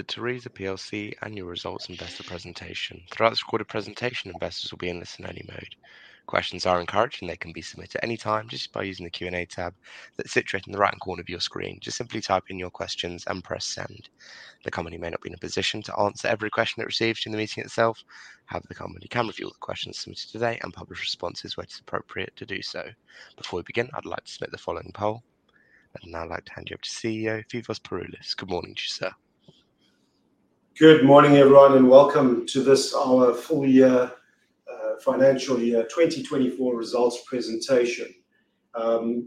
The Tharisa plc Annual Results Investor Presentation. Throughout this recorded presentation, investors will be in listen-only mode. Questions are encouraged, and they can be submitted at any time just by using the Q&A tab that's situated in the right-hand corner of your screen. Just simply type in your questions and press send. The company may not be in a position to answer every question that's received in the meeting itself; however, the company can review all the questions submitted today and publish responses where it's appropriate to do so. Before we begin, I'd like to submit the following poll, and I'd like to hand you over to CEO Phoevos Pouroulis. Good morning to you, sir. Good morning, everyone, and welcome to this our full year, financial year, 2024 results presentation.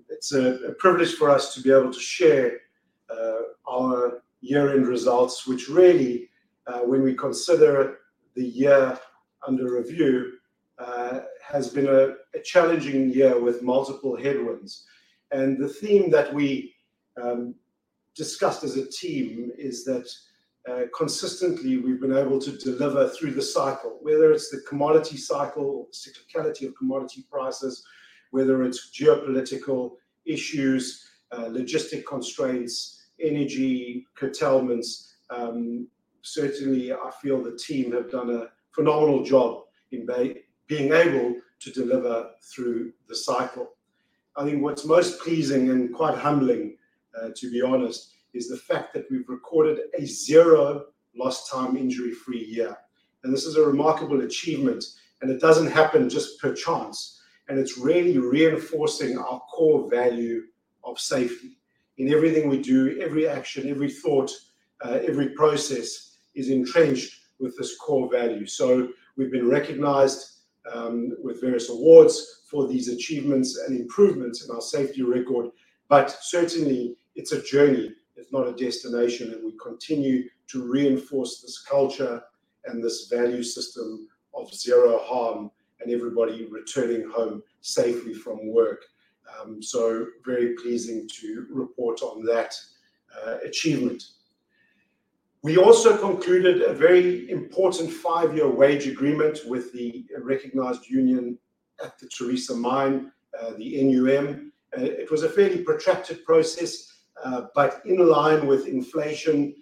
It's a privilege for us to be able to share, our year-end results, which really, when we consider the year under review, has been a challenging year with multiple headwinds, and the theme that we, discussed as a team is that, consistently we've been able to deliver through the cycle, whether it's the commodity cycle, the cyclicality of commodity prices, whether it's geopolitical issues, logistic constraints, energy curtailments. Certainly, I feel the team have done a phenomenal job in being able to deliver through the cycle. I think what's most pleasing and quite humbling, to be honest, is the fact that we've recorded a zero lost time, injury-free year, and this is a remarkable achievement, and it doesn't happen just by chance, and it's really reinforcing our core value of safety in everything we do. Every action, every thought, every process is entrenched with this core value. So we've been recognized with various awards for these achievements and improvements in our safety record, but certainly it's a journey. It's not a destination, and we continue to reinforce this culture and this value system of Zero Harm and everybody returning home safely from work, so very pleasing to report on that achievement. We also concluded a very important five-year wage agreement with the recognized union at the Tharisa Mine, the NUM. It was a fairly protracted process, but in line with inflation,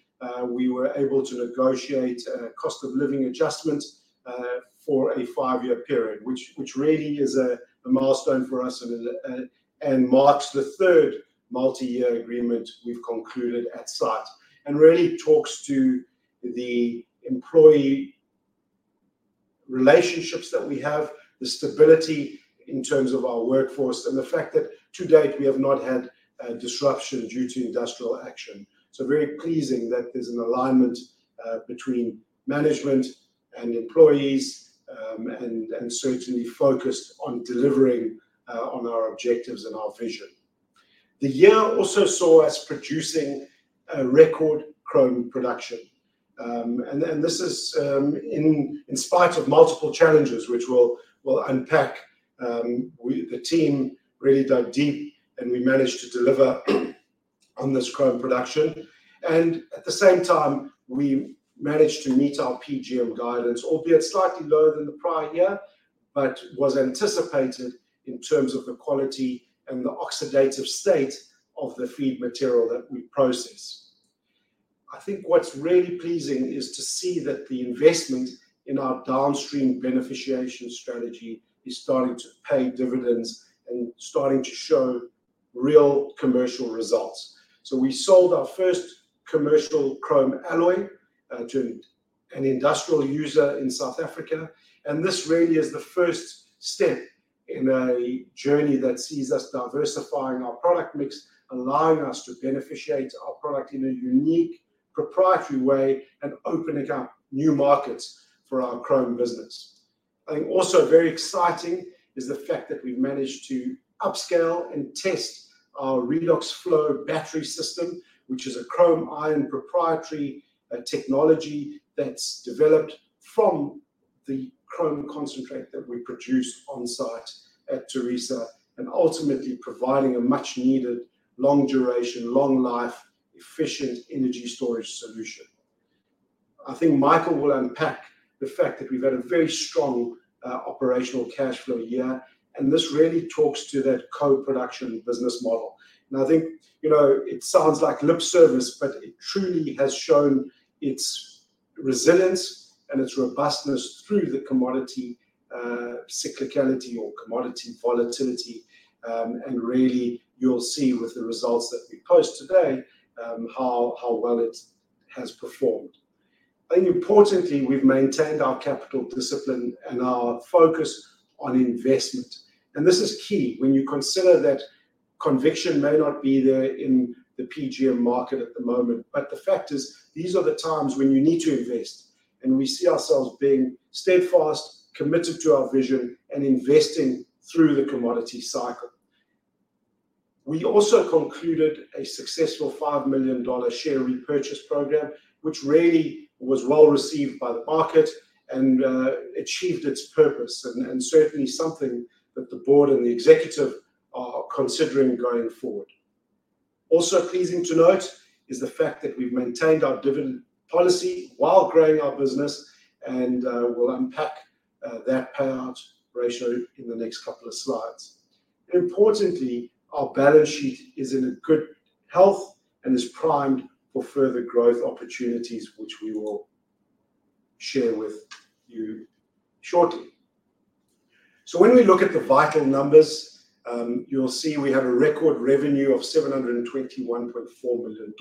we were able to negotiate a cost of living adjustment for a five-year period, which really is a milestone for us and marks the third multi-year agreement we've concluded at site and really talks to the employee relationships that we have, the stability in terms of our workforce, and the fact that to date we have not had disruption due to industrial action. So very pleasing that there's an alignment between management and employees, and certainly focused on delivering on our objectives and our vision. The year also saw us producing a record chrome production, and this is in spite of multiple challenges, which we'll unpack. The team really dug deep and we managed to deliver on this chrome production. At the same time, we managed to meet our PGM guidance, albeit slightly lower than the prior year, but was anticipated in terms of the quality and the oxidative state of the feed material that we process. I think what's really pleasing is to see that the investment in our downstream beneficiation strategy is starting to pay dividends and starting to show real commercial results. We sold our first commercial chrome alloy to an industrial user in South Africa, and this really is the first step in a journey that sees us diversifying our product mix, allowing us to beneficiate our product in a unique proprietary way and opening up new markets for our chrome business. I think also very exciting is the fact that we've managed to upscale and test our Redox flow battery system, which is a chrome-iron proprietary technology that's developed from the chrome concentrate that we produce onsite at Tharisa, and ultimately providing a much-needed long-duration, long-life, efficient energy storage solution. I think Michael will unpack the fact that we've had a very strong, operational cash flow year, and this really talks to that co-production business model. And I think, you know, it sounds like lip service, but it truly has shown its resilience and its robustness through the commodity cyclicality or commodity volatility, and really you'll see with the results that we post today, how well it has performed. I think importantly, we've maintained our capital discipline and our focus on investment. This is key when you consider that conviction may not be there in the PGM market at the moment, but the fact is these are the times when you need to invest, and we see ourselves being steadfast, committed to our vision, and investing through the commodity cycle. We also concluded a successful $5 million share repurchase program, which really was well received by the market and achieved its purpose, and certainly something that the board and the executive are considering going forward. Also pleasing to note is the fact that we've maintained our dividend policy while growing our business, and we'll unpack that payout ratio in the next couple of slides. Importantly, our balance sheet is in good health and is primed for further growth opportunities, which we will share with you shortly. When we look at the vital numbers, you'll see we have a record revenue of $721.4 million,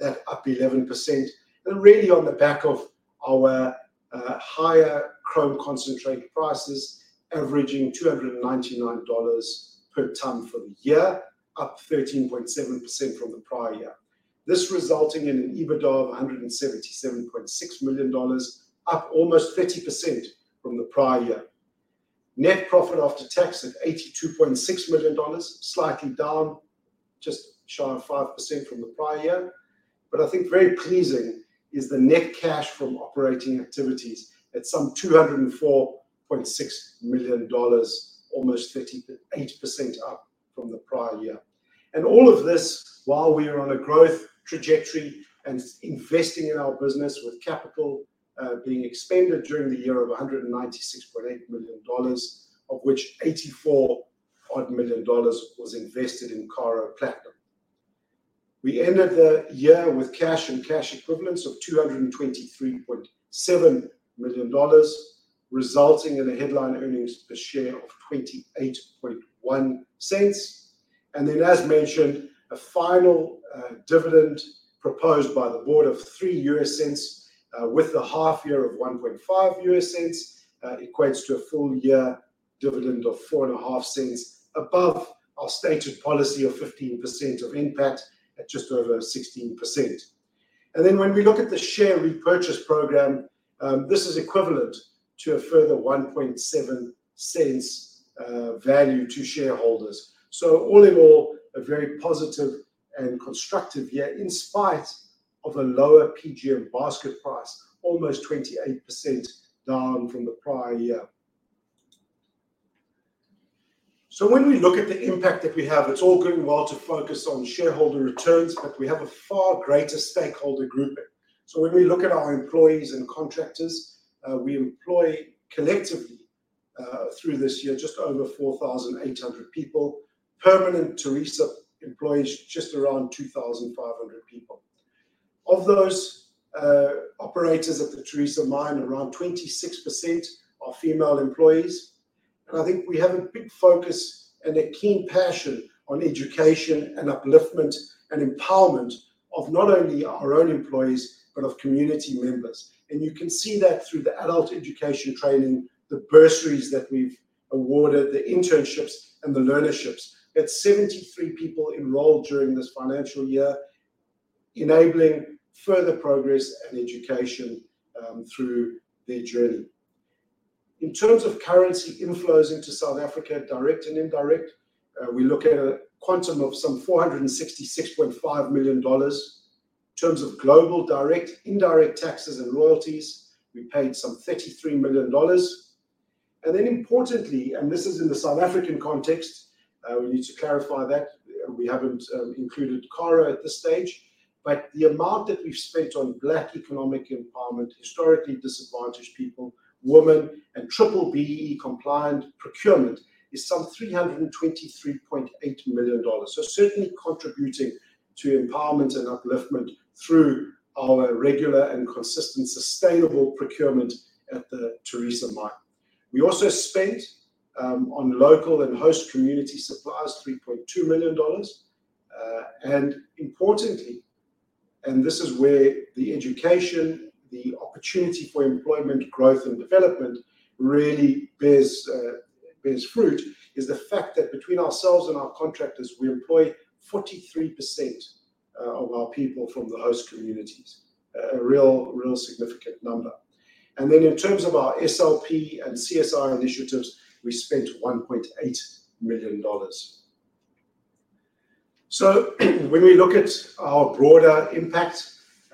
that's up 11%, and really on the back of our higher chrome concentrate prices, averaging $299 per ton for the year, up 13.7% from the prior year. This resulting in an EBITDA of $177.6 million, up almost 30% from the prior year. Net profit after tax at $82.6 million, slightly down, just shy of 5% from the prior year. I think very pleasing is the net cash from operating activities at some $204.6 million, almost 38% up from the prior year. All of this while we are on a growth trajectory and investing in our business with capital being expended during the year of $196.8 million, of which $84 million was invested in Karo Platinum. We ended the year with cash and cash equivalents of $223.7 million, resulting in a headline earnings per share of $0.281. As mentioned, a final dividend proposed by the board of $0.03, with a half year of $0.015, equates to a full year dividend of $0.045 above our stated policy of 15% of NPAT at just over 16%. When we look at the share repurchase program, this is equivalent to a further $0.017 value to shareholders. All in all, a very positive and constructive year in spite of a lower PGM basket price, almost 28% down from the prior year. When we look at the impact that we have, it's all good and well to focus on shareholder returns, but we have a far greater stakeholder grouping. When we look at our employees and contractors, we employ collectively, through this year, just over 4,800 people. Permanent Tharisa employees, just around 2,500 people. Of those, operators at the Tharisa Mine, around 26% are female employees. I think we have a big focus and a keen passion on education and upliftment and empowerment of not only our own employees, but of community members. You can see that through the adult education training, the bursaries that we've awarded, the internships, and the learnerships. That's 73 people enrolled during this financial year, enabling further progress and education, through their journey. In terms of currency inflows into South Africa, direct and indirect, we look at a quantum of some $466.5 million. In terms of global direct, indirect taxes and royalties, we paid some $33 million. Importantly, and this is in the South African context, we need to clarify that we haven't included Karo at this stage, but the amount that we've spent on Black economic empowerment, historically disadvantaged people, women, and B-BBEE compliant procurement is some $323.8 million. Certainly contributing to empowerment and upliftment through our regular and consistent sustainable procurement at the Tharisa Mine. We also spent on local and host community suppliers $3.2 million. Importantly, and this is where the education, the opportunity for employment growth and development really bears fruit, is the fact that between ourselves and our contractors, we employ 43% of our people from the host communities, a real, real significant number. In terms of our SLP and CSR initiatives, we spent $1.8 million. So when we look at our broader impact,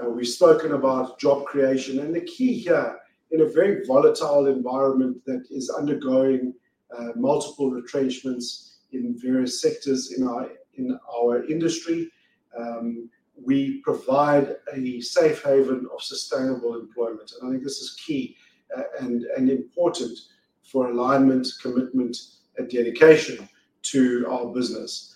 we've spoken about job creation, and the key here in a very volatile environment that is undergoing multiple retrenchments in various sectors in our industry, we provide a safe haven of sustainable employment, and I think this is key and important for alignment, commitment, and dedication to our business.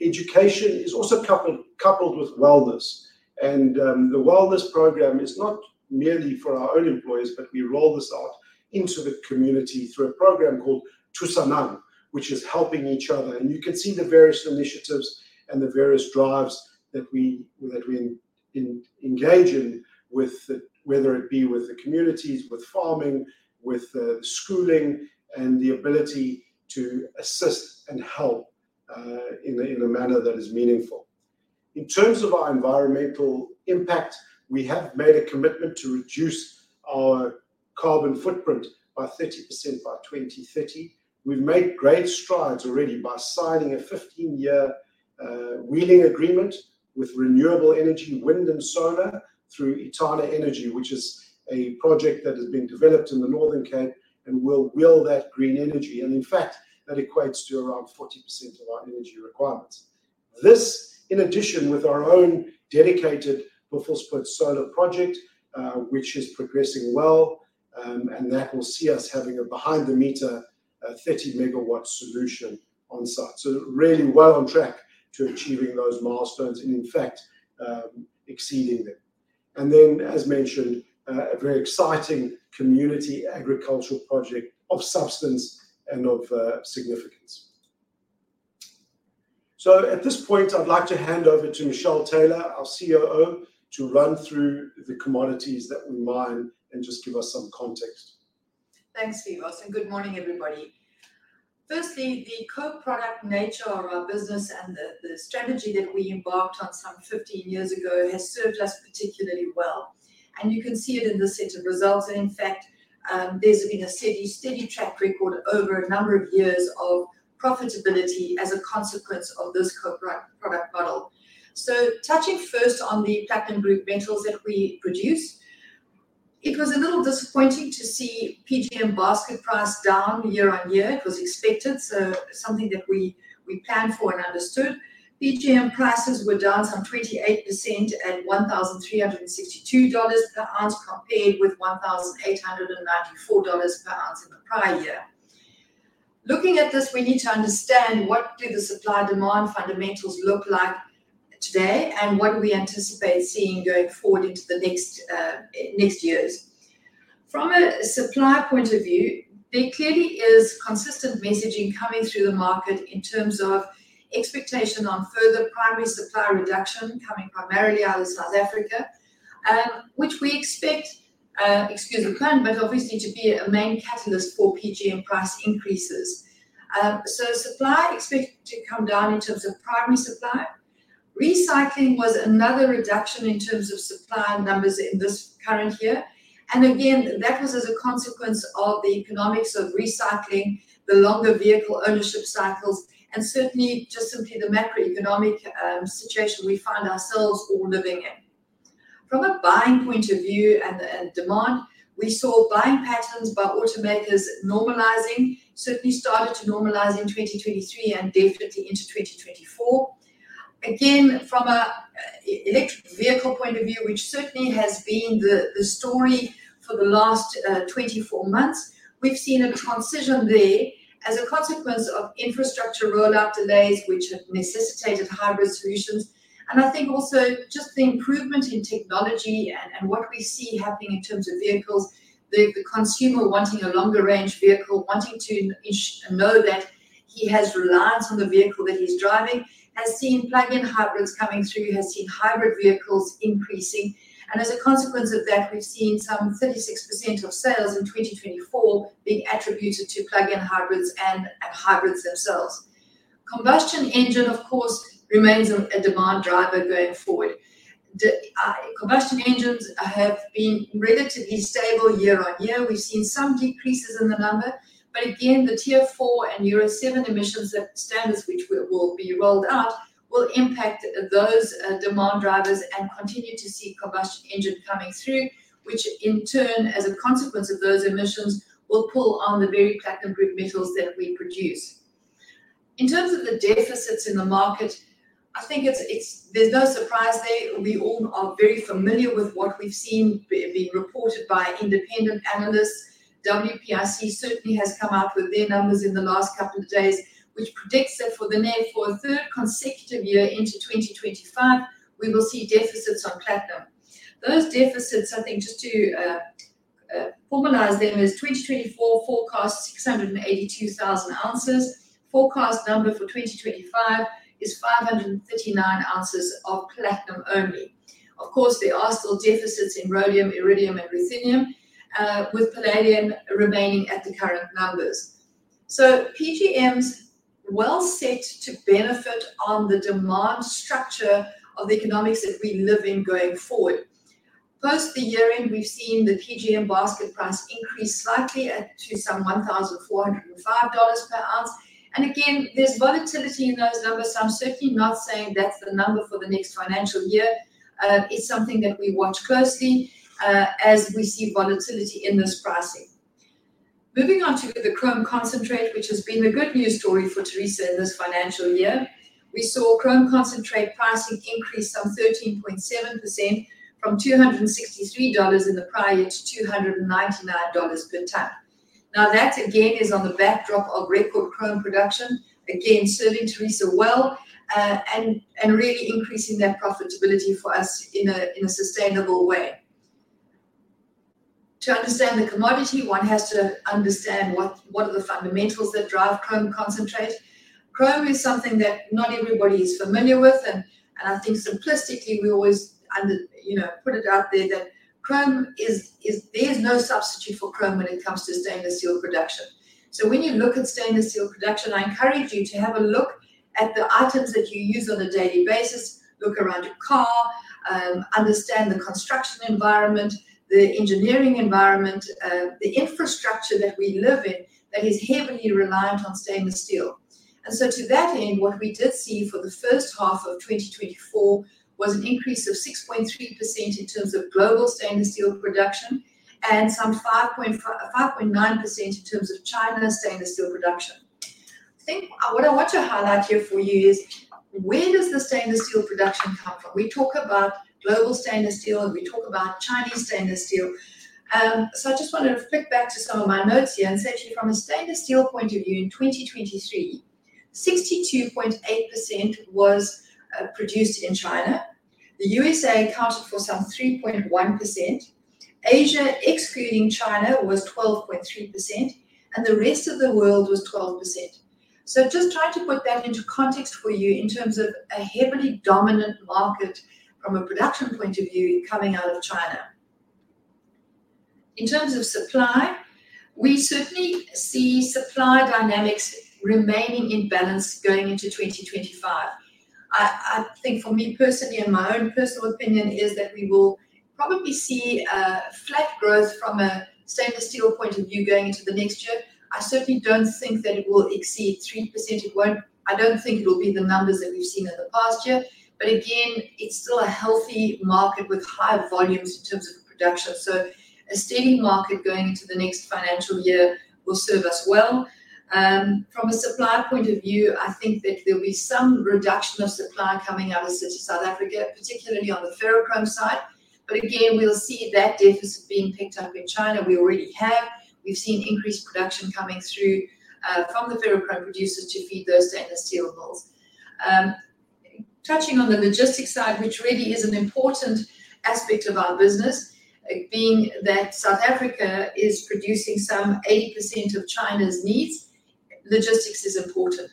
Education is also coupled with wellness. The wellness program is not merely for our own employees, but we roll this out into the community through a program called Thusanang, which is helping each other. You can see the various initiatives and the various drives that we engage in with whether it be with the communities, with farming, with the schooling, and the ability to assist and help in a manner that is meaningful. In terms of our environmental impact, we have made a commitment to reduce our carbon footprint by 30% by 2030. We've made great strides already by signing a 15-year wheeling agreement with renewable energy, wind, and solar through Etana Energy, which is a project that has been developed in the Northern Cape and will wheel that green energy. In fact, that equates to around 40% of our energy requirements. This, in addition, with our own dedicated Buffelspoort solar project, which is progressing well, and that will see us having a behind-the-meter 30-megawatt solution onsite. Really well on track to achieving those milestones and in fact exceeding them. Then, as mentioned, a very exciting community agricultural project of substance and significance. So at this point, I'd like to hand over to Michelle Taylor, our COO, to run through the commodities that we mine and just give us some context. Thanks, Phoevos. Good morning, everybody. Firstly, the co-product nature of our business and the strategy that we embarked on some 15 years ago has served us particularly well. You can see it in the set of results. In fact, there's been a steady track record over a number of years of profitability as a consequence of this co-product model. Touching first on the platinum group metals that we produce, it was a little disappointing to see PGM basket price down year on year. It was expected, so something that we planned for and understood. PGM prices were down some 28% at $1,362 per ounce compared with $1,894 per ounce in the prior year. Looking at this, we need to understand what do the supply demand fundamentals look like today and what do we anticipate seeing going forward into the next years. From a supply point of view, there clearly is consistent messaging coming through the market in terms of expectation on further primary supply reduction coming primarily out of South Africa, which we expect, excuse the pun, but obviously to be a main catalyst for PGM price increases, so supply expected to come down in terms of primary supply. Recycling was another reduction in terms of supply numbers in this current year, and again, that was as a consequence of the economics of recycling, the longer vehicle ownership cycles, and certainly just simply the macroeconomic situation we find ourselves all living in. From a buying point of view and demand, we saw buying patterns by automakers normalizing, certainly started to normalize in 2023 and definitely into 2024. Again, from an electric vehicle point of view, which certainly has been the story for the last 24 months, we've seen a transition there as a consequence of infrastructure rollout delays, which have necessitated hybrid solutions. I think also just the improvement in technology and what we see happening in terms of vehicles, the consumer wanting a longer range vehicle, wanting to know that he has reliance on the vehicle that he's driving, has seen plug-in hybrids coming through, has seen hybrid vehicles increasing. As a consequence of that, we've seen some 36% of sales in 2024 being attributed to plug-in hybrids and hybrids themselves. Combustion engine, of course, remains a demand driver going forward. The combustion engines have been relatively stable year on year. We've seen some decreases in the number, but again, the Tier 4 and Euro 7 emissions standards, which will be rolled out, will impact those demand drivers and continue to see combustion engine coming through, which in turn, as a consequence of those emissions, will pull on the very platinum group metals that we produce. In terms of the deficits in the market, I think it's. There's no surprise there. We all are very familiar with what we've seen being reported by independent analysts. WPIC certainly has come out with their numbers in the last couple of days, which predicts that for the next third consecutive year into 2025, we will see deficits on platinum. Those deficits, I think just to formalize them as 2024 forecast 682,000 ounces, forecast number for 2025 is 539 ounces of platinum only. Of course, there are still deficits in rhodium, iridium, and ruthenium, with palladium remaining at the current numbers. So PGMs well set to benefit on the demand structure of the economics that we live in going forward. Post the year end, we've seen the PGM basket price increase slightly to some $1,405 per ounce. And again, there's volatility in those numbers. I'm certainly not saying that's the number for the next financial year. It's something that we watch closely, as we see volatility in this pricing. Moving on to the chrome concentrate, which has been the good news story for Tharisa in this financial year, we saw chrome concentrate pricing increase some 13.7% from $263 in the prior year to $299 per ton. Now, that again is on the backdrop of record chrome production, again serving Tharisa well, and really increasing their profitability for us in a sustainable way. To understand the commodity, one has to understand what are the fundamentals that drive chrome concentrate. Chrome is something that not everybody is familiar with. And I think simplistically, we always, you know, put it out there that chrome is there's no substitute for chrome when it comes to stainless steel production. So when you look at stainless steel production, I encourage you to have a look at the items that you use on a daily basis, look around your car, understand the construction environment, the engineering environment, the infrastructure that we live in that is heavily reliant on stainless steel. And so to that end, what we did see for the first half of 2024 was an increase of 6.3% in terms of global stainless steel production and some 5.5-5.9% in terms of China's stainless steel production. I think what I want to highlight here for you is where does the stainless steel production come from? We talk about global stainless steel and we talk about Chinese stainless steel. So I just want to flip back to some of my notes here and say to you from a stainless steel point of view, in 2023, 62.8% was produced in China. The USA accounted for some 3.1%. Asia, excluding China, was 12.3%, and the rest of the world was 12%. So just trying to put that into context for you in terms of a heavily dominant market from a production point of view coming out of China. In terms of supply, we certainly see supply dynamics remaining in balance going into 2025. I think for me personally, and my own personal opinion is that we will probably see a flat growth from a stainless steel point of view going into the next year. I certainly don't think that it will exceed 3%. It won't, I don't think it'll be the numbers that we've seen in the past year. But again, it's still a healthy market with high volumes in terms of production. So a steady market going into the next financial year will serve us well. From a supply point of view, I think that there'll be some reduction of supply coming out of the country of South Africa, particularly on the ferrochrome side. But again, we'll see that deficit being picked up in China. We already have. We've seen increased production coming through from the ferrochrome producers to feed those stainless steel mills. Touching on the logistics side, which really is an important aspect of our business, being that South Africa is producing some 80% of China's needs, logistics is important.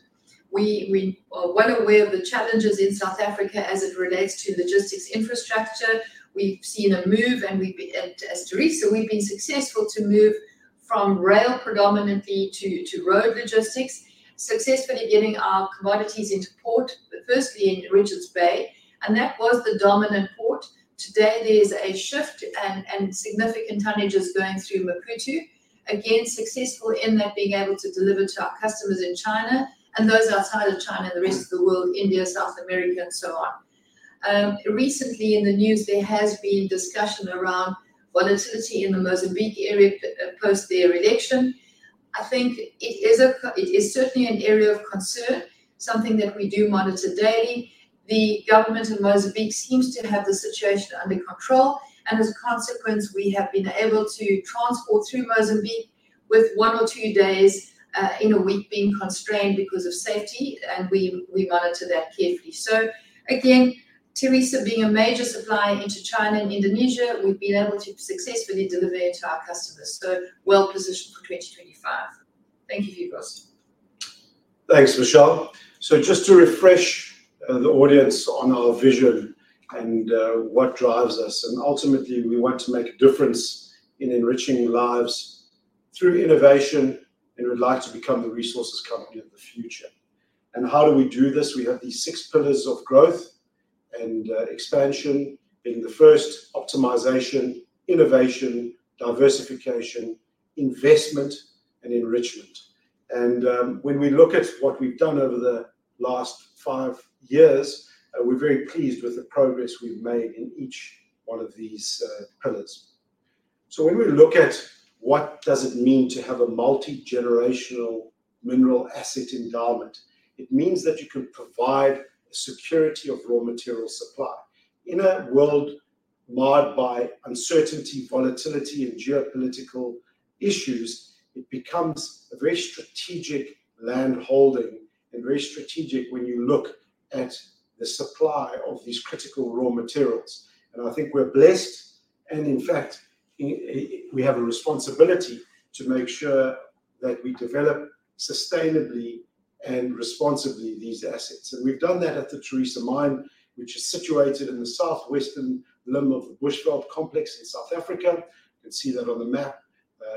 We are well aware of the challenges in South Africa as it relates to logistics infrastructure. We've seen a move and we've been, as Tharisa, successful to move from rail predominantly to road logistics, successfully getting our commodities into port, but firstly in Richards Bay. That was the dominant port. Today, there's a shift and significant tonnages going through Maputo, again successful in that being able to deliver to our customers in China and those outside of China and the rest of the world, India, South America, and so on. Recently in the news, there has been discussion around volatility in the Mozambique area post their election. I think it is, it is certainly an area of concern, something that we do monitor daily. The government in Mozambique seems to have the situation under control. And as a consequence, we have been able to transport through Mozambique with one or two days in a week being constrained because of safety. And we monitor that carefully. So again, Tharisa being a major supplier into China and Indonesia, we've been able to successfully deliver it to our customers. So well positioned for 2025. Thank you, Phoevos. Thanks, Michael. So just to refresh the audience on our vision and what drives us. And ultimately, we want to make a difference in enriching lives through innovation and we'd like to become the resources company of the future. And how do we do this? We have these six pillars of growth and expansion being the first, optimization, innovation, diversification, investment, and enrichment. And when we look at what we've done over the last five years, we're very pleased with the progress we've made in each one of these pillars. So when we look at what does it mean to have a multi-generational mineral asset endowment, it means that you can provide a security of raw material supply. In a world marred by uncertainty, volatility, and geopolitical issues, it becomes a very strategic land holding and very strategic when you look at the supply of these critical raw materials. And I think we're blessed and in fact, we have a responsibility to make sure that we develop sustainably and responsibly these assets. We've done that at the Tharisa Mine, which is situated in the southwestern limb of the Bushveld Complex in South Africa. You can see that on the map,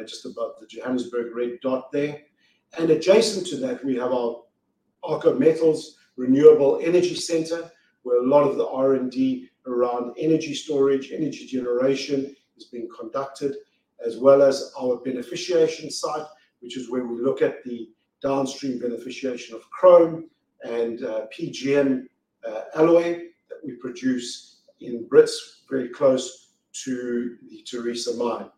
just above the Johannesburg red dot there. Adjacent to that, we have our Arxo Metals Renewable Energy Centre, where a lot of the R&D around energy storage, energy generation has been conducted, as well as our beneficiation site, which is where we look at the downstream beneficiation of chrome and PGM alloy that we produce in Brits, very close to the Tharisa Mine.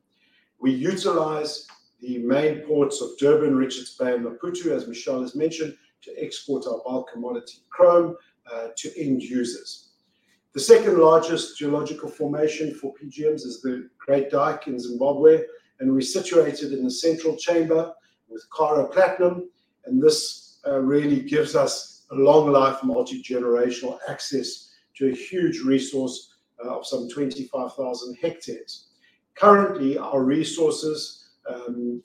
We utilize the main ports of Durban, Richards Bay, Maputo, as Michael has mentioned, to export our bulk commodity chrome to end users. The second largest geological formation for PGMs is the Great Dyke in Zimbabwe, and we're situated in the central chamber with Karo Platinum. And this really gives us a long life, multi-generational access to a huge resource of some 25,000 hectares. Currently, our resources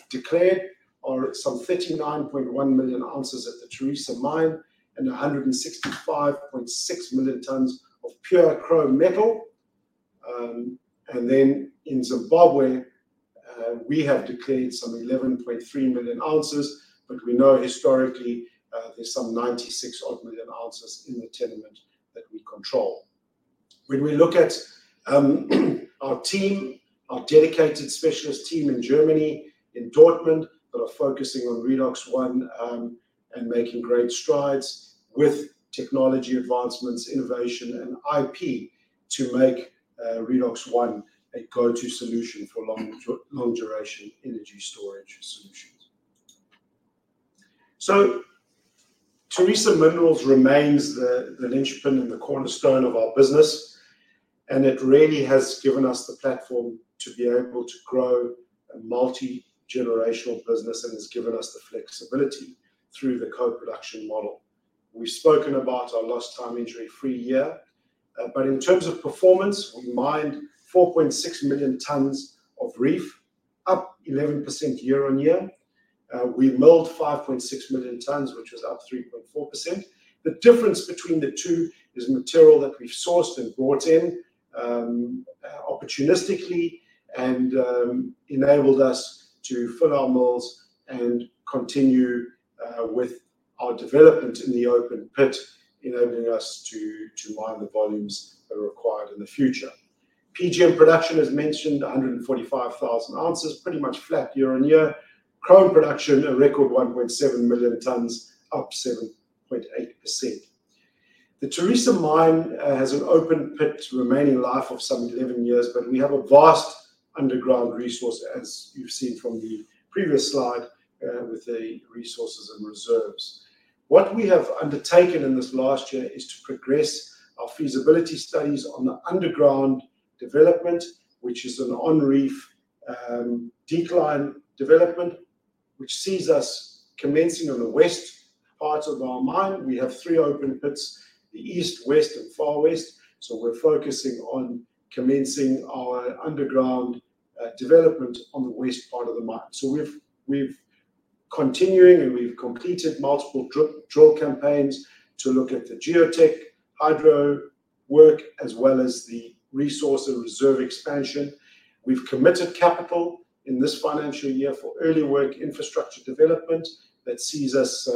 declared are some 39.1 million ounces at the Tharisa Mine and 165.6 million tons of pure chrome metal. And then in Zimbabwe, we have declared some 11.3 million ounces, but we know historically, there's some 96-odd million ounces in the tenement that we control. When we look at our team, our dedicated specialist team in Germany, in Dortmund, that are focusing on Redox One, and making great strides with technology advancements, innovation, and IP to make Redox One a go-to solution for long, long-duration energy storage solutions. Tharisa Minerals remains the linchpin and the cornerstone of our business, and it really has given us the platform to be able to grow a multi-generational business and has given us the flexibility through the co-production model. We've spoken about our lost time injury free year, but in terms of performance, we mined 4.6 million tons of reef, up 11% year on year. We milled 5.6 million tons, which was up 3.4%. The difference between the two is material that we've sourced and brought in, opportunistically and enabled us to fill our mills and continue with our development in the open pit, enabling us to mine the volumes that are required in the future. PGM production, as mentioned, 145,000 ounces, pretty much flat year on year. Chrome production, a record 1.7 million tons, up 7.8%. The Tharisa Mine has an open pit remaining life of some 11 years, but we have a vast underground resource, as you've seen from the previous slide, with the resources and reserves. What we have undertaken in this last year is to progress our feasibility studies on the underground development, which is an on-reef, decline development, which sees us commencing on the west parts of our mine. We have three open pits, the east, west, and far west. So we're focusing on commencing our underground development on the west part of the mine. So we've continuing and we've completed multiple drill campaigns to look at the geotech, hydro work, as well as the resource and reserve expansion. We've committed capital in this financial year for early work infrastructure development that sees us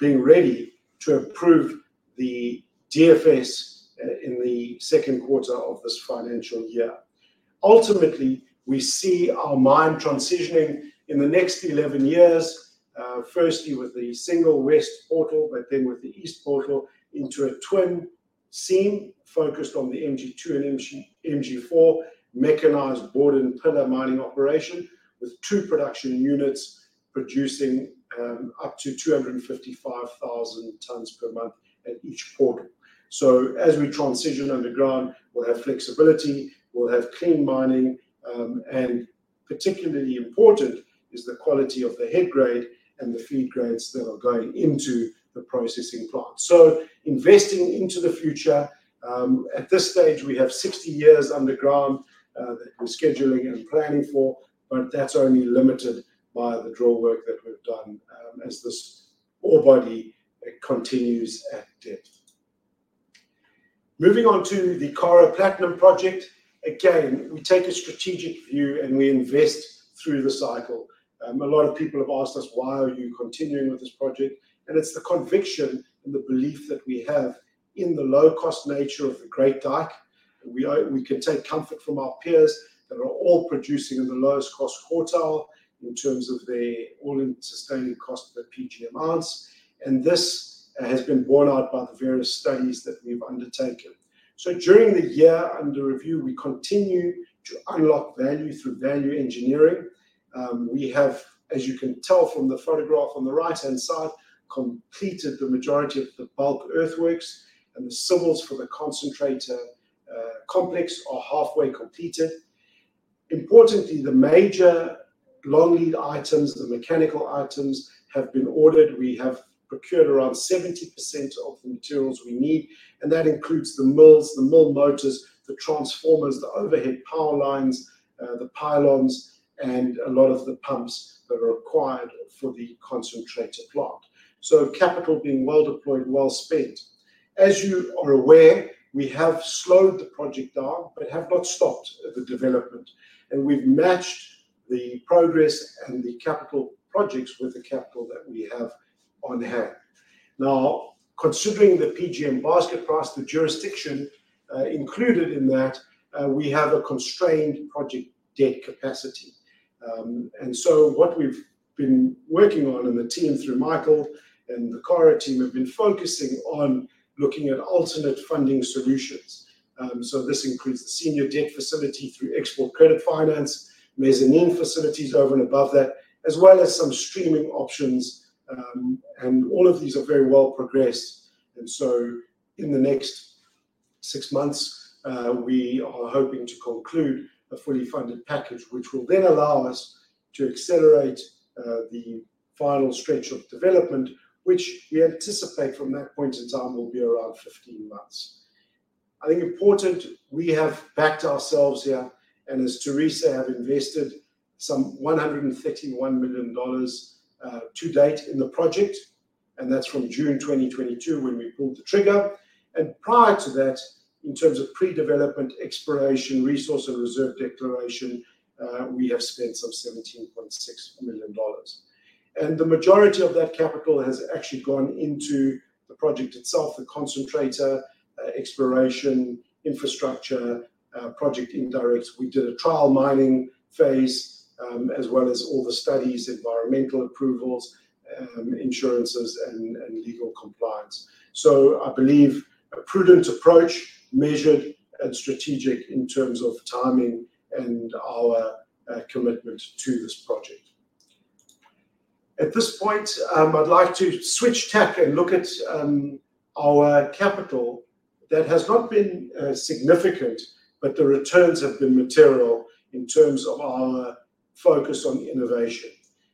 being ready to approve the DFS in the second quarter of this financial year. Ultimately, we see our mine transitioning in the next 11 years, firstly with the single west portal, but then with the east portal into a twin seam focused on the MG2 and MG4 mechanized bord and pillar mining operation with two production units producing up to 255,000 tons per month at each portal. So as we transition underground, we'll have flexibility, we'll have clean mining, and particularly important is the quality of the head grade and the feed grades that are going into the processing plant. So investing into the future, at this stage, we have 60 years underground that we're scheduling and planning for, but that's only limited by the drill work that we've done, as this ore body continues at depth. Moving on to the Karo Platinum project. Again, we take a strategic view and we invest through the cycle. A lot of people have asked us, why are you continuing with this project? And it's the conviction and the belief that we have in the low cost nature of the Great Dyke. We hope we can take comfort from our peers that are all producing in the lowest cost quartile in terms of the all-in sustaining cost of the PGM ounce. And this has been borne out by the various studies that we've undertaken. So during the year under review, we continue to unlock value through value engineering. We have, as you can tell from the photograph on the right-hand side, completed the majority of the bulk earthworks and the civils for the concentrator complex are halfway completed. Importantly, the major long lead items, the mechanical items have been ordered. We have procured around 70% of the materials we need, and that includes the mills, the mill motors, the transformers, the overhead power lines, the pylons, and a lot of the pumps that are required for the concentrator plant, so capital being well deployed, well spent. As you are aware, we have slowed the project down, but have not stopped the development, and we've matched the progress and the capital projects with the capital that we have on hand. Now, considering the PGM basket price, the jurisdiction, included in that, we have a constrained project debt capacity, and so what we've been working on and the team through Michael and the Karo team have been focusing on looking at alternate funding solutions, so this includes the senior debt facility through export credit finance, mezzanine facilities over and above that, as well as some streaming options. And all of these are very well progressed. So in the next six months, we are hoping to conclude a fully funded package, which will then allow us to accelerate the final stretch of development, which we anticipate from that point in time will be around 15 months. I think important, we have backed ourselves here, and as Tharisa has invested some $131 million to date in the project, and that's from June 2022 when we pulled the trigger. And prior to that, in terms of pre-development, exploration, resource and reserve declaration, we have spent some $17.6 million. And the majority of that capital has actually gone into the project itself, the concentrator, exploration, infrastructure, project indirect. We did a trial mining phase, as well as all the studies, environmental approvals, insurances, and legal compliance. So I believe a prudent approach, measured and strategic in terms of timing and our commitment to this project. At this point, I'd like to switch tech and look at our capital that has not been significant, but the returns have been material in terms of our focus on innovation.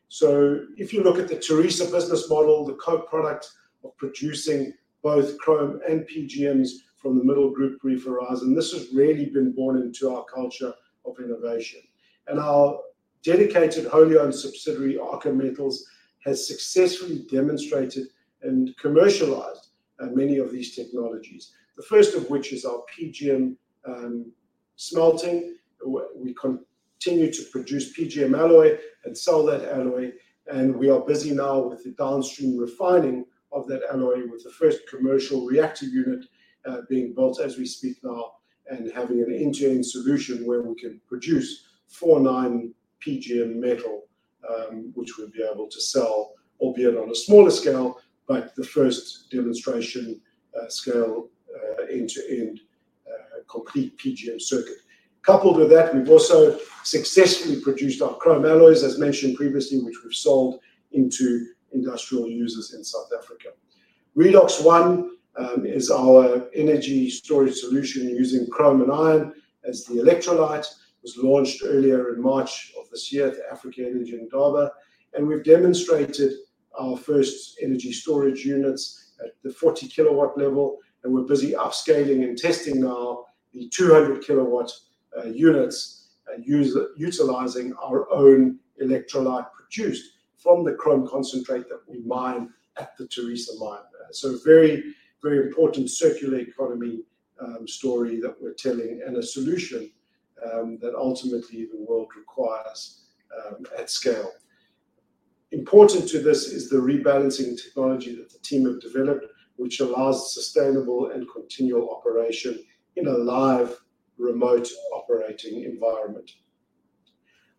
So if you look at the Tharisa business model, the co-product of producing both chrome and PGMs from the Middle Group reef horizon, this has really been born into our culture of innovation. And our dedicated wholly owned subsidiary, Arxo Metals, has successfully demonstrated and commercialized many of these technologies, the first of which is our PGM smelting. We continue to produce PGM alloy and sell that alloy. We are busy now with the downstream refining of that alloy, with the first commercial reactor unit being built as we speak now and having an end-to-end solution where we can produce four-nine PGM metal, which we'll be able to sell, albeit on a smaller scale, but the first demonstration scale end-to-end complete PGM circuit. Coupled with that, we've also successfully produced our chrome alloys, as mentioned previously, which we've sold into industrial users in South Africa. Redox One is our energy storage solution using chrome and iron as the electrolyte. It was launched earlier in March of this year at the Africa Energy Indaba. We've demonstrated our first energy storage units at the 40 kilowatt level. We're busy upscaling and testing now the 200 kilowatt units and utilizing our own electrolyte produced from the chrome concentrate that we mine at the Tharisa Mine. So very, very important circular economy story that we're telling and a solution that ultimately the world requires at scale. Important to this is the rebalancing technology that the team have developed, which allows sustainable and continual operation in a live remote operating environment.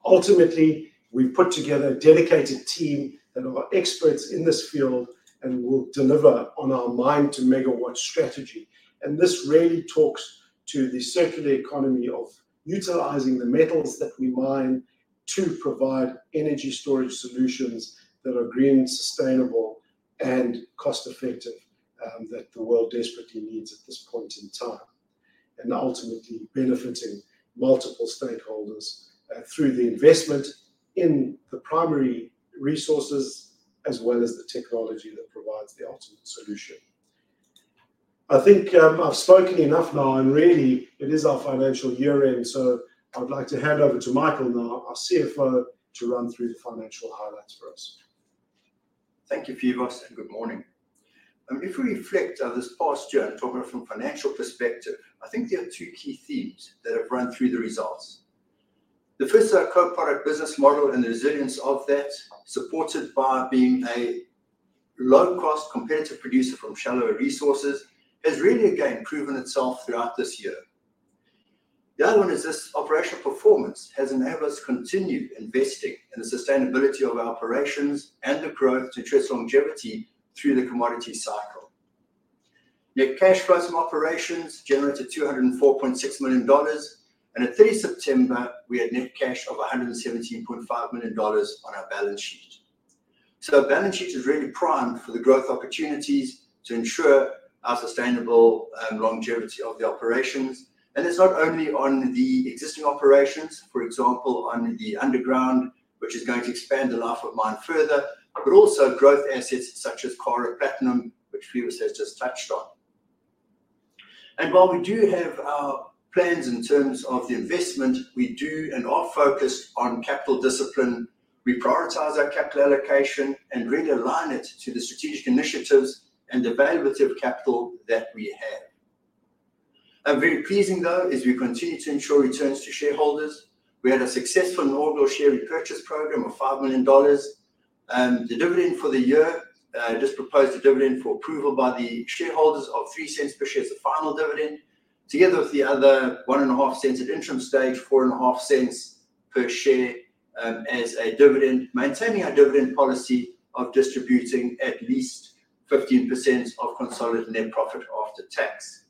Ultimately, we've put together a dedicated team that are experts in this field and will deliver on our mine to megawatt strategy. And this really talks to the circular economy of utilizing the metals that we mine to provide energy storage solutions that are green, sustainable, and cost-effective, that the world desperately needs at this point in time. And ultimately benefiting multiple stakeholders through the investment in the primary resources, as well as the technology that provides the ultimate solution. I think I've spoken enough now and really it is our financial year end. So I'd like to hand over to Michael now, our CFO, to run through the financial highlights for us. Thank you, Phoevos, and good morning. If we reflect on this past year and talk about it from a financial perspective, I think there are two key themes that have run through the results. The first is our co-product business model and the resilience of that, supported by being a low-cost competitive producer from shallower resources, has really again proven itself throughout this year. The other one is this operational performance has enabled us to continue investing in the sustainability of our operations and the growth to address longevity through the commodity cycle. Net cash flows from operations generated $204.6 million, and at 30 September, we had net cash of $117.5 million on our balance sheet. Our balance sheet is really primed for the growth opportunities to ensure our sustainable longevity of the operations. And it's not only on the existing operations, for example, on the underground, which is going to expand the life of mine further, but also growth assets such as Karo Platinum, which Phoevos has just touched on. And while we do have our plans in terms of the investment, we do and are focused on capital discipline. We prioritize our capital allocation and really align it to the strategic initiatives and availability of capital that we have. I'm very pleased though, as we continue to ensure returns to shareholders. We had a successful inaugural share repurchase program of $5 million. The dividend for the year, just proposed a dividend for approval by the shareholders of $0.03 per share as a final dividend, together with the other $0.015 at interim stage, $0.045 per share, as a dividend, maintaining our dividend policy of distributing at least 15% of consolidated net profit after tax.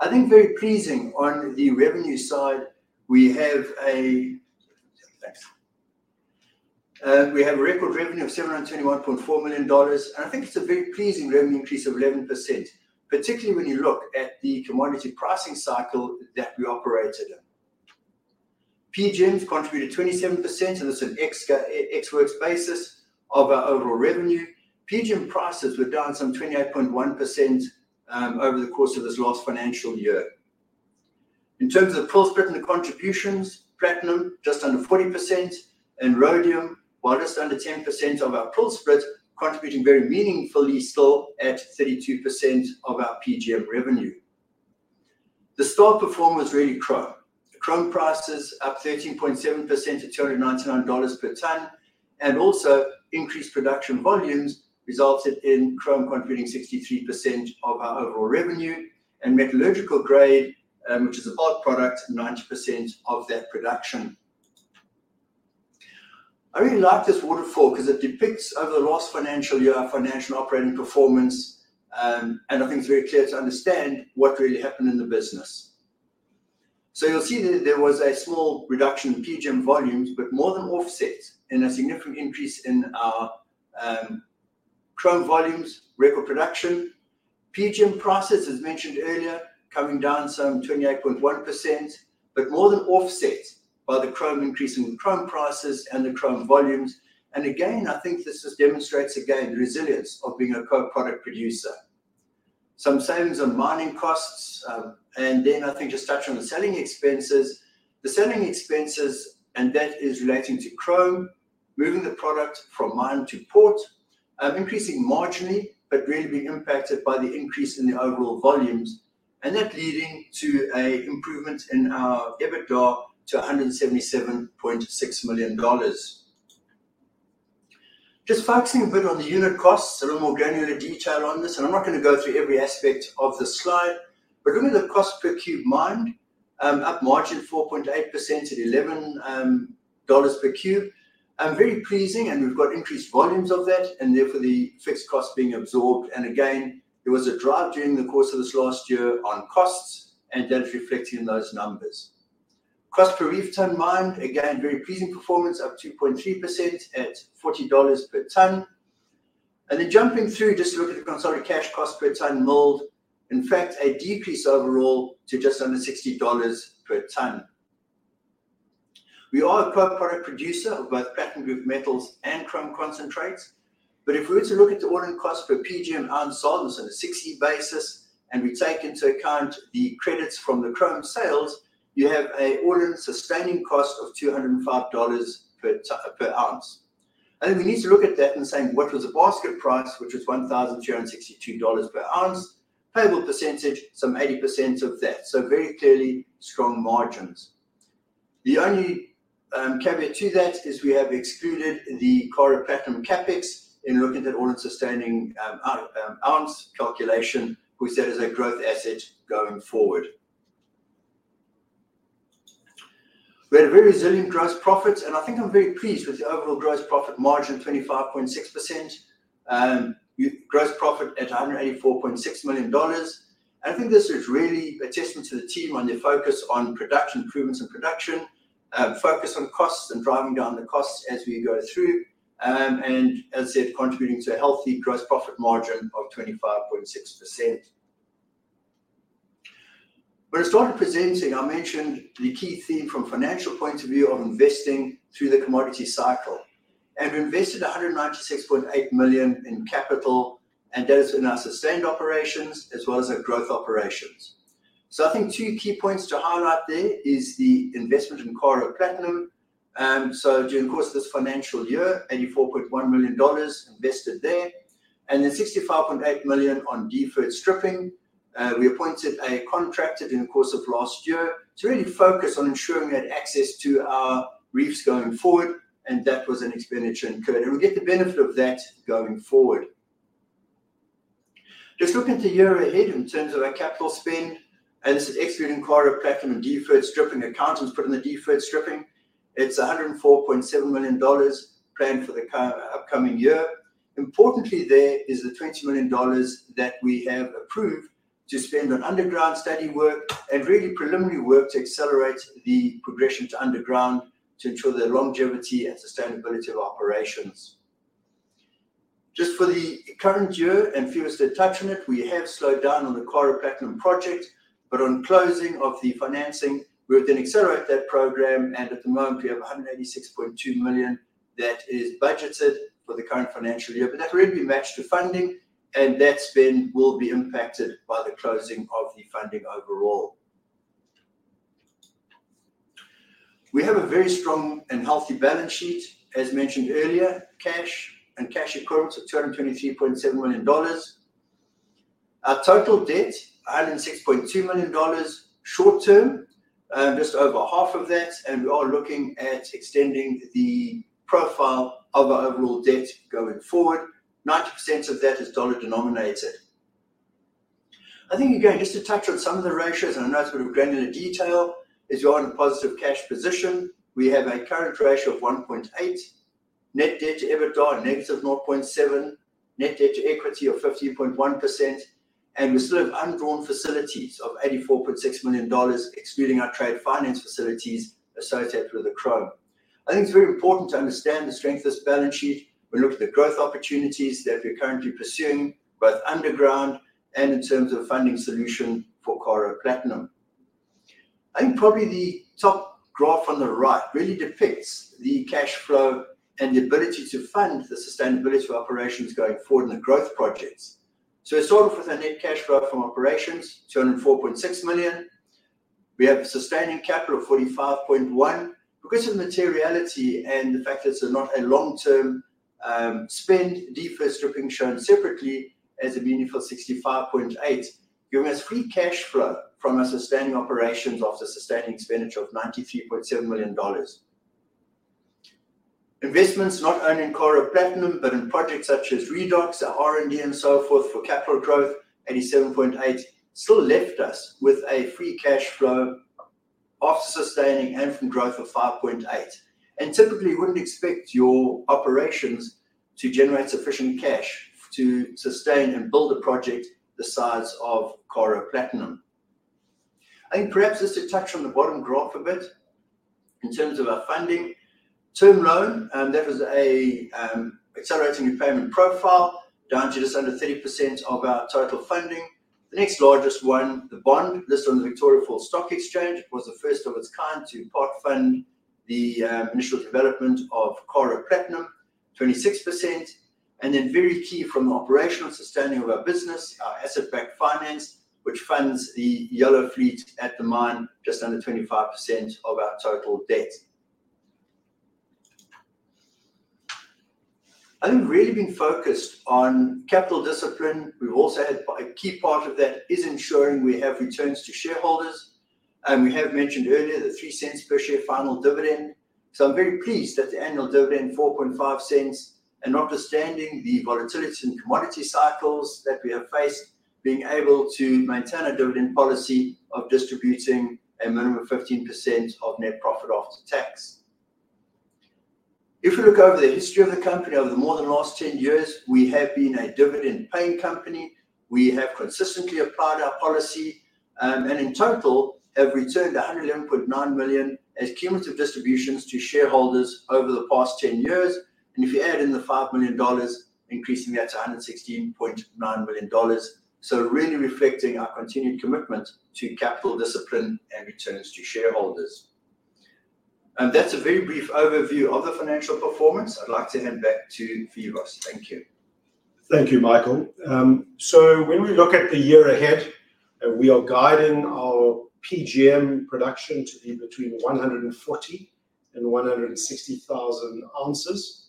I think very pleasing on the revenue side, we have a record revenue of $721.4 million. I think it's a very pleasing revenue increase of 11%, particularly when you look at the commodity pricing cycle that we operated in. PGMs contributed 27%, and that's an ex-works basis of our overall revenue. PGM prices were down some 28.1%, over the course of this last financial year. In terms of the pool split and the contributions, platinum just under 40% and rhodium, while just under 10% of our pool split, contributing very meaningfully still at 32% of our PGM revenue. The stock performance really dropped. Chrome prices up 13.7% to $299 per ton, and also increased production volumes resulted in chrome contributing 63% of our overall revenue and metallurgical grade, which is a bulk product, 90% of that production. I really like this waterfall because it depicts over the last financial year our financial operating performance, and I think it's very clear to understand what really happened in the business. So you'll see that there was a small reduction in PGM volumes, but more than offset in a significant increase in our chrome volumes, record production. PGM prices, as mentioned earlier, coming down some 28.1%, but more than offset by the increase in the chrome prices and the chrome volumes. Again, I think this just demonstrates again the resilience of being a co-product producer. Some savings on mining costs, and then I think just touch on the selling expenses. The selling expenses, and that is relating to chrome, moving the product from mine to port, increasing marginally, but really being impacted by the increase in the overall volumes. And that leading to an improvement in our EBITDA to $177.6 million. Just focusing a bit on the unit costs, a little more granular detail on this, and I'm not going to go through every aspect of the slide, but look at the cost per cube mined, up marginally 4.8% at $11 dollars per cube. It's very pleasing, and we've got increased volumes of that, and therefore the fixed costs being absorbed. Again, there was a drive during the course of this last year on costs, and that is reflecting in those numbers. Cost per reef ton mined, again, very pleasing performance, up 2.3% at $40 per ton. Then jumping through, just look at the consolidated cash cost per ton milled. In fact, a decrease overall to just under $60 per ton. We are a co-product producer of both platinum group metals and chrome concentrates. But if we were to look at the all-in sustaining cost for PGM ounces on a 3E basis, and we take into account the credits from the chrome sales, you have an all-in sustaining cost of $205 per 3E ounce. We need to look at that and say, what was the basket price, which was $1,262 per ounce, payable percentage, some 80% of that. So very clearly strong margins. The only caveat to that is we have excluded the Karo Platinum CapEx in looking at the all-in sustaining ounce calculation, which that is a growth asset going forward. We had a very resilient gross profit, and I think I'm very pleased with the overall gross profit margin, 25.6%, gross profit at $184.6 million. And I think this is really a testament to the team on their focus on production improvements and production, focus on costs and driving down the costs as we go through, and as I said, contributing to a healthy gross profit margin of 25.6%. When I started presenting, I mentioned the key theme from a financial point of view of investing through the commodity cycle. We invested $196.8 million in capital, and that is in our sustained operations as well as our growth operations. I think two key points to highlight there is the investment in Karo Platinum. During the course of this financial year, $84.1 million invested there, and then $65.8 million on deferred stripping. We appointed a contractor during the course of last year to really focus on ensuring we had access to our reefs going forward, and that was an expenditure incurred. We get the benefit of that going forward. Just looking to year ahead in terms of our capital spend, and this is excluding Karo Platinum deferred stripping account, it's put in the deferred stripping. It's $104.7 million planned for the upcoming year. Importantly, there is the $20 million that we have approved to spend on underground study work and really preliminary work to accelerate the progression to underground to ensure the longevity and sustainability of operations. Just for the current year, and Phoevos did touch on it, we have slowed down on the Karo Platinum project, but on closing of the financing, we've then accelerated that program. At the moment, we have $186.2 million that is budgeted for the current financial year, but that will be matched to funding, and that spend will be impacted by the closing of the funding overall. We have a very strong and healthy balance sheet, as mentioned earlier, cash and cash equivalents of $223.7 million. Our total debt, $106.2 million, short term, just over half of that. We are looking at extending the profile of our overall debt going forward. 90% of that is dollar denominated. I think again, just to touch on some of the ratios, and I know it's a bit of granular detail. As you are in a positive cash position, we have a current ratio of 1.8, net debt to EBITDA of negative 0.7, net debt to equity of 15.1%. We still have undrawn facilities of $84.6 million, excluding our trade finance facilities associated with the chrome. I think it's very important to understand the strength of this balance sheet when looking at the growth opportunities that we're currently pursuing, both underground and in terms of a funding solution for Karo Platinum. I think probably the top graph on the right really depicts the cash flow and the ability to fund the sustainability of operations going forward in the growth projects. We started with a net cash flow from operations, $204.6 million. We have a sustaining capital of $45.1 million. Because of materiality and the fact that it's not a long-term spend, deferred stripping shown separately as a meaningful $65.8 million, giving us free cash flow from our sustaining operations after sustaining expenditure of $93.7 million. Investments not only in Karo Platinum, but in projects such as Redox, R&D, and so forth for capital growth, $87.8 million, still left us with a free cash flow after sustaining and from growth of $5.8 million. And typically, you wouldn't expect your operations to generate sufficient cash to sustain and build a project the size of Karo Platinum. I think perhaps just to touch on the bottom graph a bit in terms of our funding, term loan, that was a accelerating repayment profile down to just under 30% of our total funding. The next largest one, the bond listed on the Victoria Falls Stock Exchange, was the first of its kind to part fund the initial development of Karo Platinum, 26%, and then very key from the operational sustaining of our business, our asset-backed finance, which funds the yellow fleet at the mine, just under 25% of our total debt. I think really being focused on capital discipline, we've also had a key part of that is ensuring we have returns to shareholders, and we have mentioned earlier the $0.03 per share final dividend. I'm very pleased that the annual dividend $0.45 and notwithstanding the volatilities in commodity cycles that we have faced, being able to maintain our dividend policy of distributing a minimum of 15% of net profit after tax. If we look over the history of the company over the more than last 10 years, we have been a dividend-paying company. We have consistently applied our policy, and in total have returned $111.9 million as cumulative distributions to shareholders over the past 10 years. And if you add in the $5 million, increasing that to $116.9 million. So really reflecting our continued commitment to capital discipline and returns to shareholders. And that's a very brief overview of the financial performance. I'd like to hand back to Phoevos. Thank you. Thank you, Michael. So when we look at the year ahead, we are guiding our PGM production to be between 140,000 and 160,000 ounces,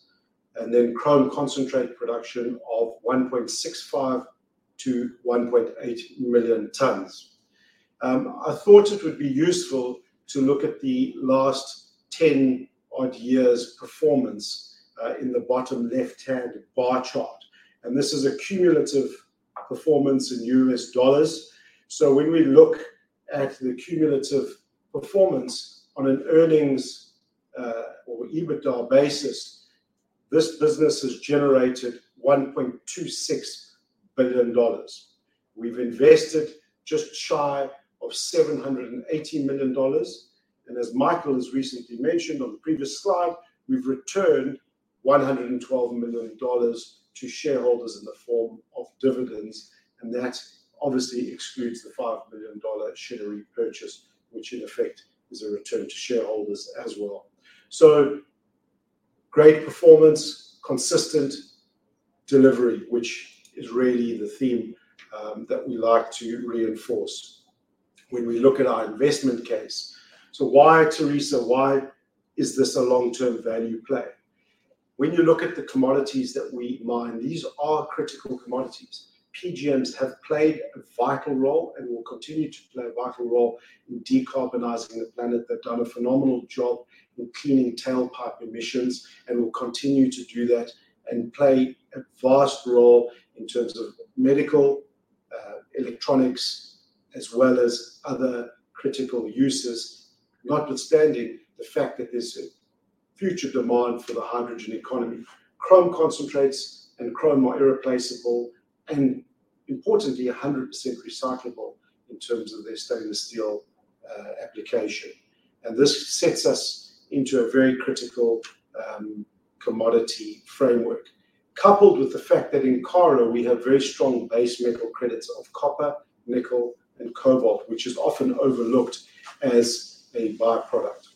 and then chrome concentrate production of 1.65-1.8 million tons. I thought it would be useful to look at the last 10-odd years' performance, in the bottom left-hand bar chart. And this is a cumulative performance in US dollars. So when we look at the cumulative performance on an earnings, or EBITDA basis, this business has generated $1.26 billion. We've invested just shy of $780 million. And as Michael has recently mentioned on the previous slide, we've returned $112 million to shareholders in the form of dividends. And that obviously excludes the $5 million share repurchase, which in effect is a return to shareholders as well. So great performance, consistent delivery, which is really the theme, that we like to reinforce when we look at our investment case. So why, Tharisa, why is this a long-term value play? When you look at the commodities that we mine, these are critical commodities. PGMs have played a vital role and will continue to play a vital role in decarbonizing the planet. They've done a phenomenal job in cleaning tailpipe emissions and will continue to do that and play a vast role in terms of medical, electronics, as well as other critical uses, notwithstanding the fact that there's a future demand for the hydrogen economy. Chrome concentrates and chrome are irreplaceable and importantly, 100% recyclable in terms of their stainless steel application, and this sets us into a very critical commodity framework, coupled with the fact that in Karo we have very strong base metal credits of copper, nickel, and cobalt, which is often overlooked as a byproduct.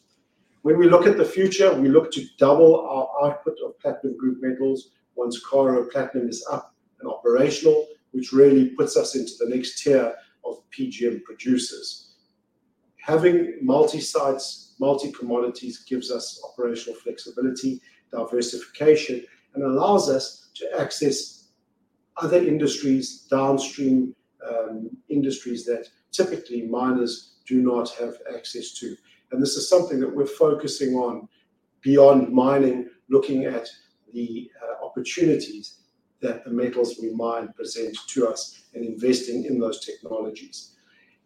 When we look at the future, we look to double our output of platinum group metals once Karo Platinum is up and operational, which really puts us into the next tier of PGM producers. Having multi-sites, multi-commodities gives us operational flexibility, diversification, and allows us to access other industries, downstream, industries that typically miners do not have access to. This is something that we're focusing on beyond mining, looking at the opportunities that the metals we mine present to us and investing in those technologies.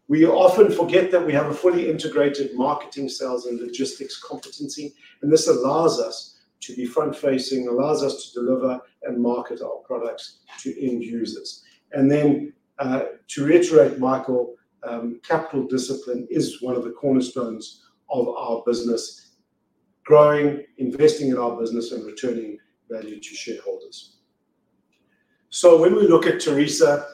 We often forget that we have a fully integrated marketing sales and logistics competency, and this allows us to be front-facing, allows us to deliver and market our products to end users. To reiterate, Michael, capital discipline is one of the cornerstones of our business, growing, investing in our business, and returning value to shareholders. When we look at Tharisa,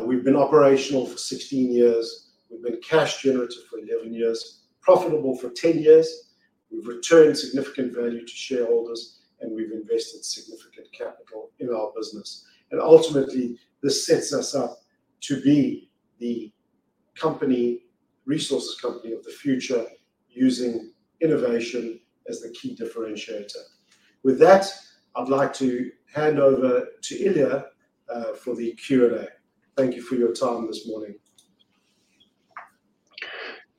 we've been operational for 16 years. We've been cash generative for 11 years, profitable for 10 years. We've returned significant value to shareholders, and we've invested significant capital in our business. And ultimately, this sets us up to be the company, resources company of the future, using innovation as the key differentiator. With that, I'd like to hand over to Ilja for the Q&A. Thank you for your time this morning.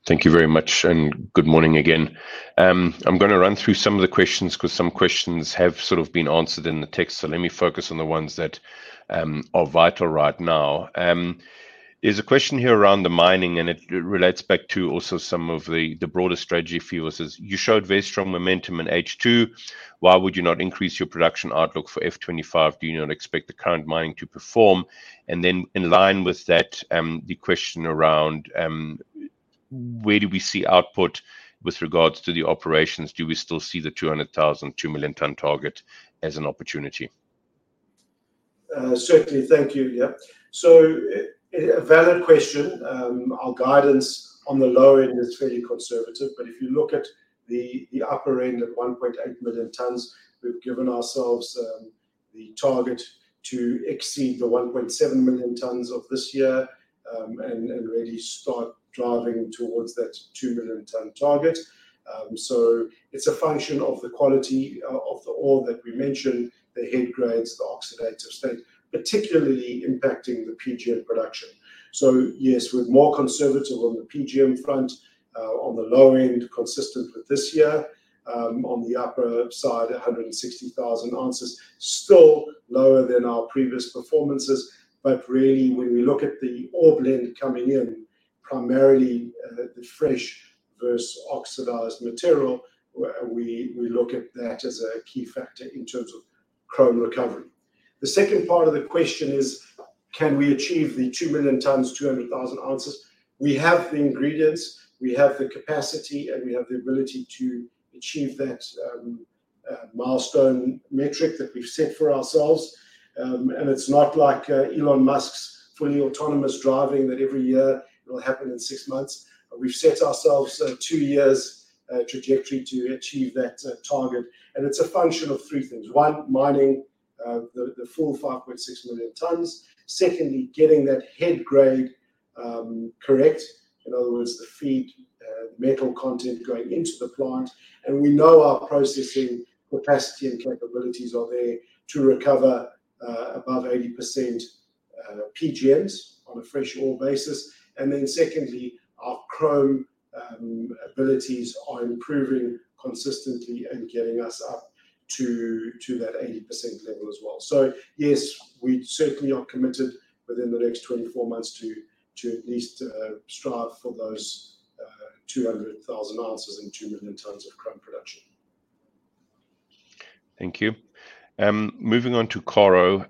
Thank you very much, and good morning again. I'm going to run through some of the questions because some questions have sort of been answered in the text, so let me focus on the ones that are vital right now. There's a question here around the mining, and it relates back to also some of the broader strategy for you. You showed very strong momentum in H2. Why would you not increase your production outlook for F25? Do you not expect the current mining to perform? And then in line with that, the question around, where do we see output with regards to the operations? Do we still see the 200,000, 2 million ton target as an opportunity? Certainly, thank you. Yeah, so it's a valid question. Our guidance on the low end is fairly conservative, but if you look at the upper end at 1.8 million tons, we've given ourselves the target to exceed the 1.7 million tons of this year, and really start driving towards that 2 million ton target. So it's a function of the quality of the ore that we mentioned, the head grades, the oxidative state, particularly impacting the PGM production. So yes, we're more conservative on the PGM front, on the low end, consistent with this year, on the upper side, 160,000 ounces, still lower than our previous performances. But really, when we look at the ore blend coming in, primarily, the fresh versus oxidized material, where we look at that as a key factor in terms of chrome recovery. The second part of the question is, can we achieve the 2 million tons, 200,000 ounces? We have the ingredients, we have the capacity, and we have the ability to achieve that, milestone metric that we've set for ourselves. And it's not like, Elon Musk's fully autonomous driving that every year will happen in six months. We've set ourselves a two-year trajectory to achieve that, target. And it's a function of three things. One, mining the full 5.6 million tons. Secondly, getting that head grade, correct. In other words, the feed, the metal content going into the plant. And we know our processing capacity and capabilities are there to recover above 80% PGMs on a fresh ore basis. And then secondly, our chrome abilities are improving consistently and getting us up to that 80% level as well. So yes, we certainly are committed within the next 24 months to at least strive for those 200,000 ounces and 2 million tons of chrome production. Thank you. Moving on to Karo,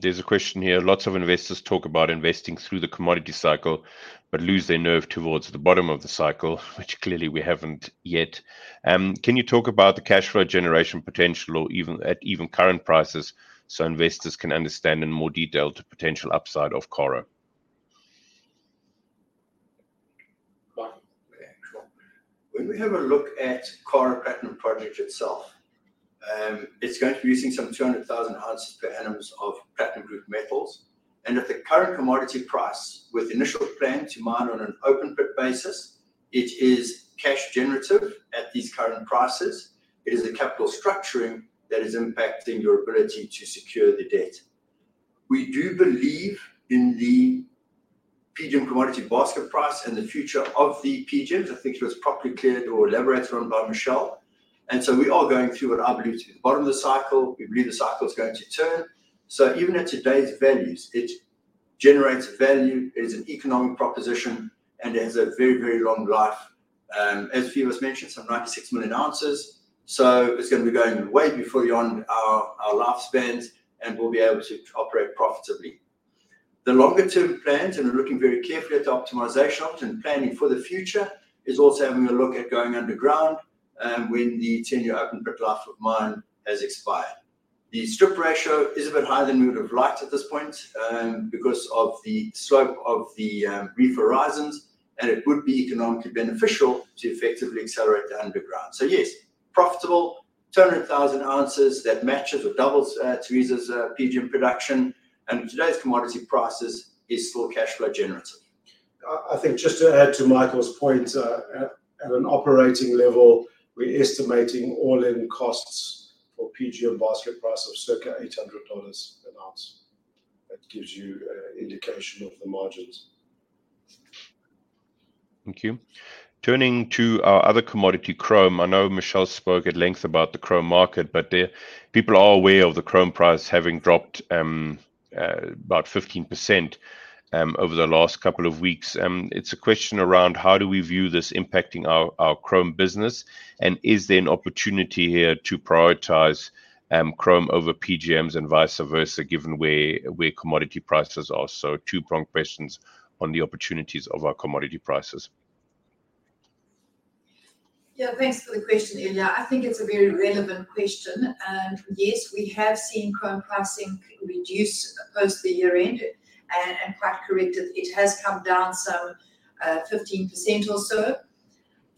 there's a question here. Lots of investors talk about investing through the commodity cycle, but lose their nerve towards the bottom of the cycle, which clearly we haven't yet. Can you talk about the cash flow generation potential or even at current prices so investors can understand in more detail the potential upside of Karo? When we have a look at the Karo Platinum project itself, it's going to be using some 200,000 ounces per annum of platinum group metals. And at the current commodity price, with initial plan to mine on an open pit basis, it is cash generative at these current prices. It is the capital structuring that is impacting your ability to secure the debt. We do believe in the PGM commodity basket price and the future of the PGMs. I think it was properly cleared or elaborated on by Michael. And so we are going through what I believe to be the bottom of the cycle. We believe the cycle is going to turn. So even at today's values, it generates value. It is an economic proposition, and it has a very, very long life. As Phoevos mentioned, some 96 million ounces. It's going to be going way beyond our lifespans, and we'll be able to operate profitably. The longer-term plans, and we're looking very carefully at the optimization options and planning for the future, is also having a look at going underground, when the 10-year open pit life of mine has expired. The strip ratio is a bit higher than we would have liked at this point, because of the slope of the reef horizons, and it would be economically beneficial to effectively accelerate the underground. Yes, profitable, 200,000 ounces that matches or doubles Tharisa's PGM production. Today's commodity price is still cash flow generative. I think just to add to Michael's point, at an operating level, we're estimating all-in costs for PGM basket price of circa $800 an ounce. That gives you an indication of the margins. Thank you. Turning to our other commodity, chrome, I know Michael spoke at length about the chrome market, but, there, people are aware of the chrome price having dropped, about 15%, over the last couple of weeks. It's a question around how do we view this impacting our chrome business, and is there an opportunity here to prioritize chrome over PGMs and vice versa, given where commodity prices are. So two prompt questions on the opportunities of our commodity prices. Yeah, thanks for the question, Ilja. I think it's a very relevant question, and yes, we have seen chrome pricing reduce post the year-end, and, quite corrected, it has come down some 15% or so.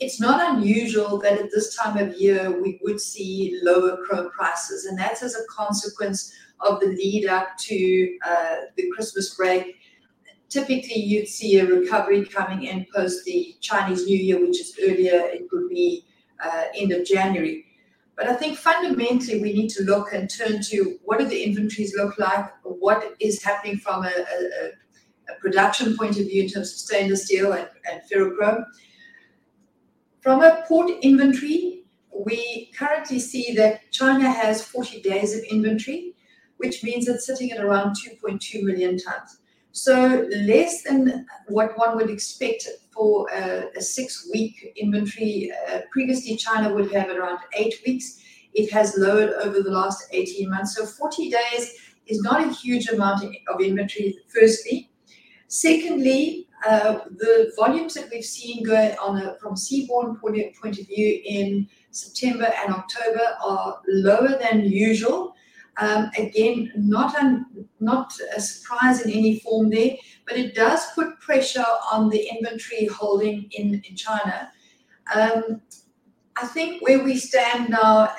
It's not unusual that at this time of year, we would see lower chrome prices, and that's as a consequence of the lead-up to the Christmas break. Typically, you'd see a recovery coming in post the Chinese New Year, which is earlier, it could be, end of January, but I think fundamentally, we need to look and turn to what do the inventories look like, what is happening from a production point of view in terms of stainless steel and ferrochrome. From a port inventory, we currently see that China has 40 days of inventory, which means it's sitting at around 2.2 million tons, so less than what one would expect for a six-week inventory. Previously, China would have around eight weeks. It has lowered over the last 18 months, so 40 days is not a huge amount of inventory, firstly. Secondly, the volumes that we've seen go on from seaborne point of view in September and October are lower than usual. Again, not a surprise in any form there, but it does put pressure on the inventory holding in China. I think where we stand now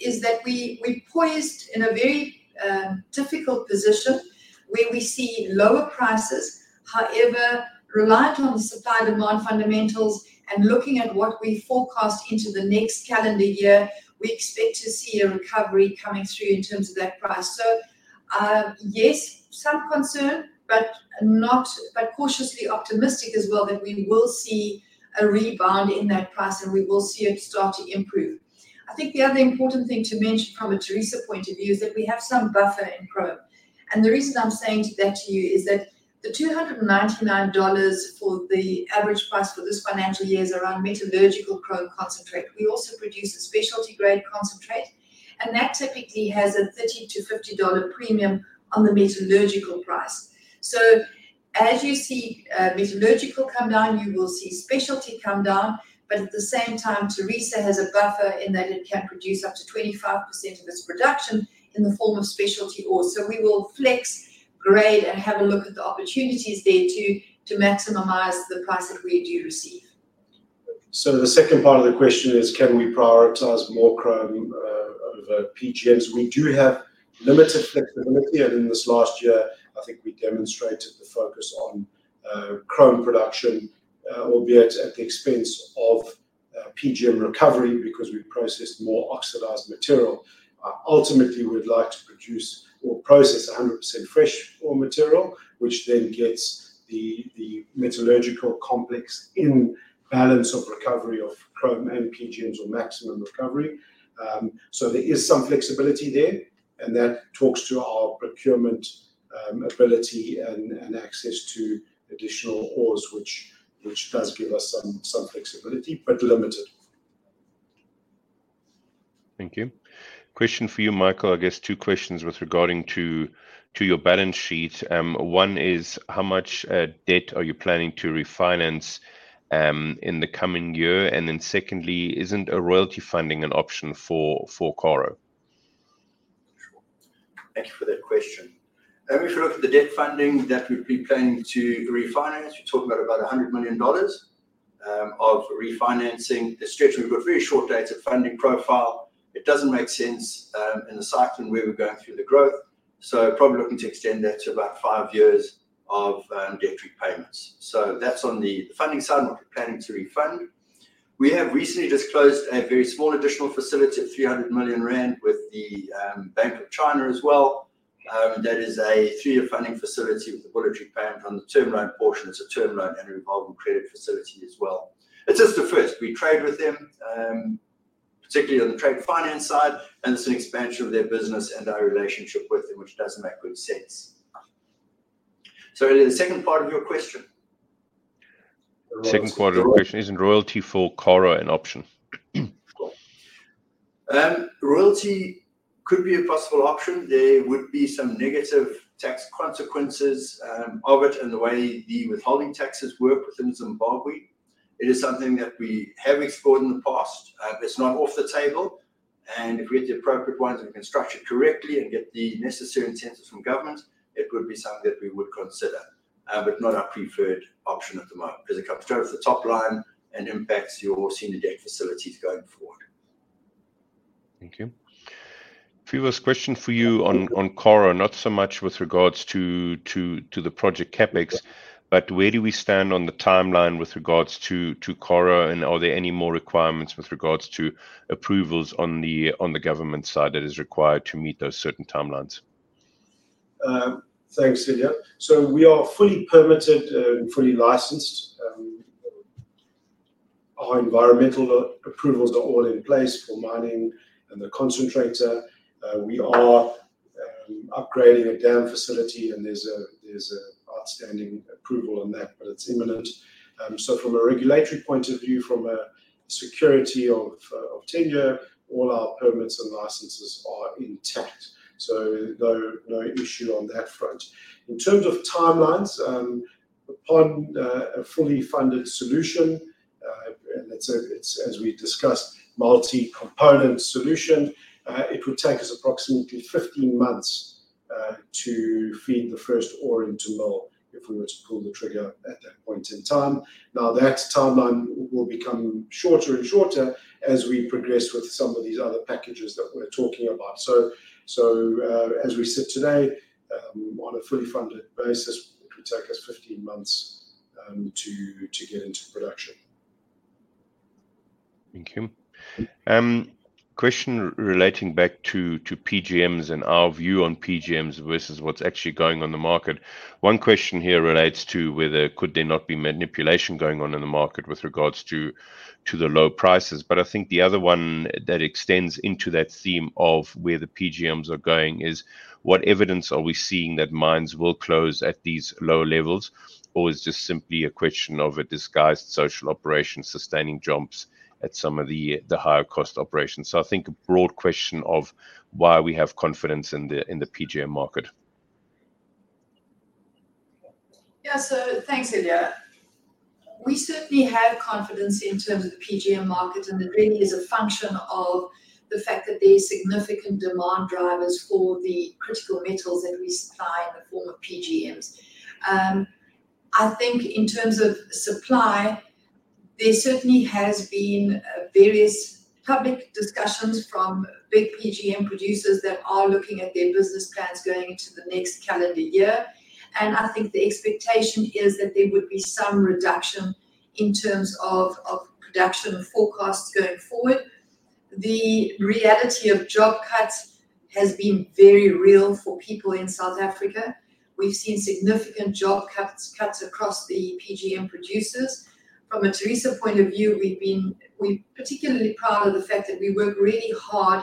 is that we're poised in a very difficult position where we see lower prices. However, reliant on the supply-demand fundamentals and looking at what we forecast into the next calendar year, we expect to see a recovery coming through in terms of that price. So, yes, some concern, but cautiously optimistic as well that we will see a rebound in that price and we will see it start to improve. I think the other important thing to mention from a Tharisa point of view is that we have some buffer in chrome. And the reason I'm saying that to you is that the $299 for the average price for this financial year is around metallurgical chrome concentrate. We also produce a specialty-grade concentrate, and that typically has a $30-$50 premium on the metallurgical price. So, as you see metallurgical come down, you will see specialty come down, but at the same time, Tharisa has a buffer in that it can produce up to 25% of its production in the form of specialty ore. So we will flex grade and have a look at the opportunities there to maximize the price that we do receive. So the second part of the question is, can we prioritize more chrome over PGMs? We do have limited flexibility, and in this last year, I think we demonstrated the focus on chrome production, albeit at the expense of PGM recovery because we processed more oxidized material. Ultimately, we'd like to produce or process 100% fresh ore material, which then gets the metallurgical complex in balance of recovery of chrome and PGMs or maximum recovery. So there is some flexibility there, and that talks to our procurement ability and access to additional ores, which does give us some flexibility, but limited. Thank you. Question for you, Michael. I guess two questions with regard to your balance sheet. One is, how much debt are you planning to refinance, in the coming year? And then secondly, isn't a royalty funding an option for Karo? Thank you for that question. And if we look at the debt funding that we've been planning to refinance, we're talking about $100 million of refinancing. The stretching, we've got very short dates of funding profile. It doesn't make sense, in the cycle and where we're going through the growth. So probably looking to extend that to about five years of debt repayments. So that's on the funding side and what we're planning to refund. We have recently disclosed a very small additional facility at 300 million rand with the Bank of China as well. That is a three-year funding facility with the bullet repayment on the term loan portion. It's a term loan and revolving credit facility as well. It's just a first. We trade with them, particularly on the trade finance side, and it's an expansion of their business and our relationship with them, which doesn't make good sense. So the second part of your question. Second part of your question, isn't royalty for Karo an option? Royalty could be a possible option. There would be some negative tax consequences of it and the way the withholding taxes work within Zimbabwe. It is something that we have explored in the past. It's not off the table. And if we get the appropriate ones and we can structure it correctly and get the necessary incentives from government, it would be something that we would consider, but not our preferred option at the moment because it comes down to the top line and impacts your senior debt facilities going forward. Thank you. Phoevos, question for you on Karo, not so much with regards to the project CapEx, but where do we stand on the timeline with regards to Karo and are there any more requirements with regards to approvals on the government side that is required to meet those certain timelines? Thanks, Ilja. We are fully permitted and fully licensed. Our environmental approvals are all in place for mining and the concentrator. We are upgrading a dam facility and there's an outstanding approval on that, but it's imminent. From a regulatory point of view, from a security of tenure, all our permits and licenses are intact. No issue on that front. In terms of timelines, upon a fully funded solution, let's say it's as we discussed, multi-component solution, it would take us approximately 15 months to feed the first ore into mill if we were to pull the trigger at that point in time. Now, that timeline will become shorter and shorter as we progress with some of these other packages that we're talking about. So, as we sit today, on a fully funded basis, it would take us 15 months to get into production. Thank you. Question relating back to PGMs and our view on PGMs versus what's actually going on the market. One question here relates to whether could there not be manipulation going on in the market with regards to the low prices. But I think the other one that extends into that theme of where the PGMs are going is what evidence are we seeing that mines will close at these low levels or is just simply a question of a disguised social operation sustaining jobs at some of the higher cost operations. So I think a broad question of why we have confidence in the PGM market. Yeah, so thanks, Ilja. We certainly have confidence in terms of the PGM market and it really is a function of the fact that there are significant demand drivers for the critical metals that we supply in the form of PGMs. I think in terms of supply, there certainly has been various public discussions from big PGM producers that are looking at their business plans going into the next calendar year. And I think the expectation is that there would be some reduction in terms of production forecasts going forward. The reality of job cuts has been very real for people in South Africa. We've seen significant job cuts across the PGM producers. From a Tharisa point of view, we've been particularly proud of the fact that we work really hard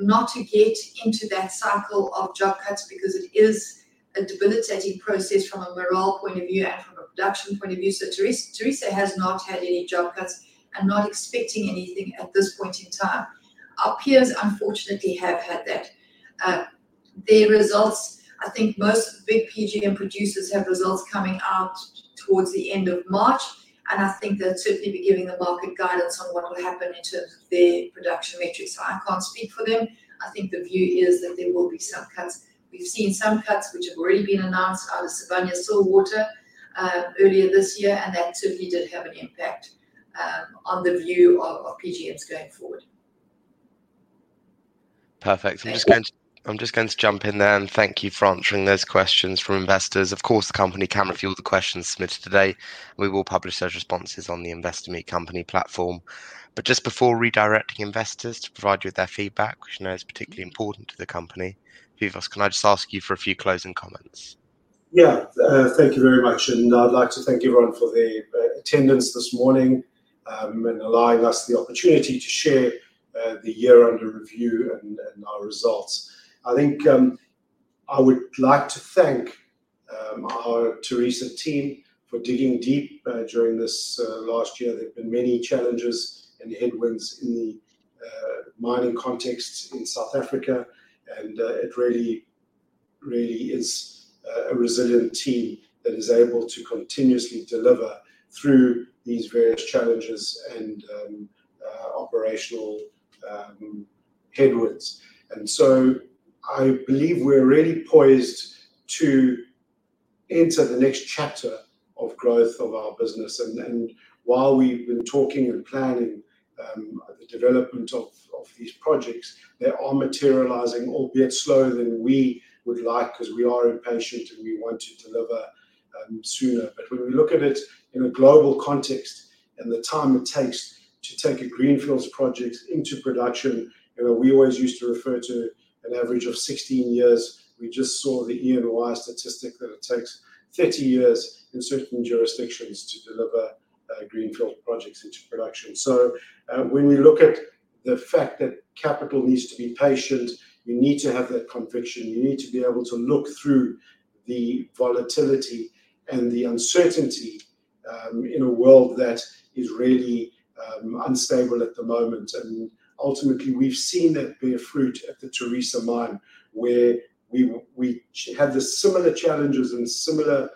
not to get into that cycle of job cuts because it is a debilitating process from a morale point of view and from a production point of view. So Tharisa has not had any job cuts and not expecting anything at this point in time. Our peers unfortunately have had that. Their results, I think most big PGM producers have results coming out towards the end of March, and I think they'll certainly be giving the market guidance on what will happen in terms of their production metrics. So I can't speak for them. I think the view is that there will be some cuts. We've seen some cuts which have already been announced out of Sibanye-Stillwater earlier this year, and that certainly did have an impact on the view of PGMs going forward. Perfect. I'm just going to jump in there and thank you for answering those questions from investors. Of course, the company can refuse the questions submitted today. We will publish those responses on the Investor Meet Company platform. But just before redirecting investors to provide you with their feedback, which I know is particularly important to the company, Phoevos, can I just ask you for a few closing comments? Yeah, thank you very much, and I'd like to thank everyone for the attendance this morning, and allowing us the opportunity to share the year-end review and our results. I think I would like to thank our Tharisa team for digging deep during this last year. There've been many challenges and headwinds in the mining context in South Africa, and it really, really is a resilient team that is able to continuously deliver through these various challenges and operational headwinds, and so I believe we're really poised to enter the next chapter of growth of our business, and while we've been talking and planning the development of these projects, they are materializing, albeit slower than we would like because we are impatient and we want to deliver sooner, but when we look at it in a global context and the time it takes to take a greenfields project into production, you know, we always used to refer to an average of 16 years. We just saw the EY statistic that it takes 30 years in certain jurisdictions to deliver greenfield projects into production. So when we look at the fact that capital needs to be patient, you need to have that conviction. You need to be able to look through the volatility and the uncertainty, in a world that is really unstable at the moment. And ultimately, we've seen that bear fruit at the Tharisa Mine, where we had the similar challenges and similar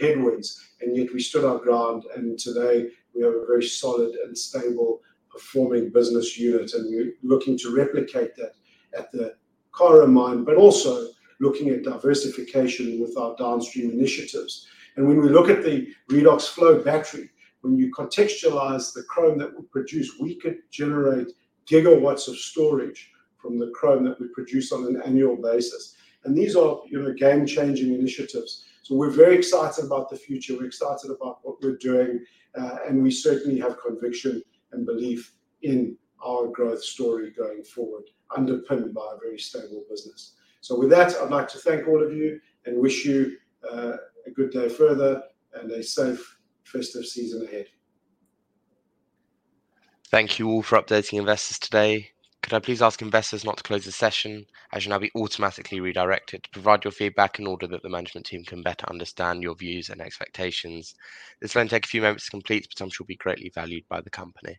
headwinds, and yet we stood our ground. And today, we have a very solid and stable performing business unit, and we're looking to replicate that at the Karo Mine, but also looking at diversification with our downstream initiatives. When we look at the redox flow battery, when you contextualize the chrome that we produce, we could generate gigawatts of storage from the chrome that we produce on an annual basis. These are, you know, game-changing initiatives. We're very excited about the future. We're excited about what we're doing, and we certainly have conviction and belief in our growth story going forward, underpinned by a very stable business. With that, I'd like to thank all of you and wish you a good day further and a safe festive season ahead. Thank you all for updating investors today. Could I please ask investors not to close the session as you'll now be automatically redirected to provide your feedback in order that the management team can better understand your views and expectations? This will only take a few moments to complete, but I'm sure it will be greatly valued by the company.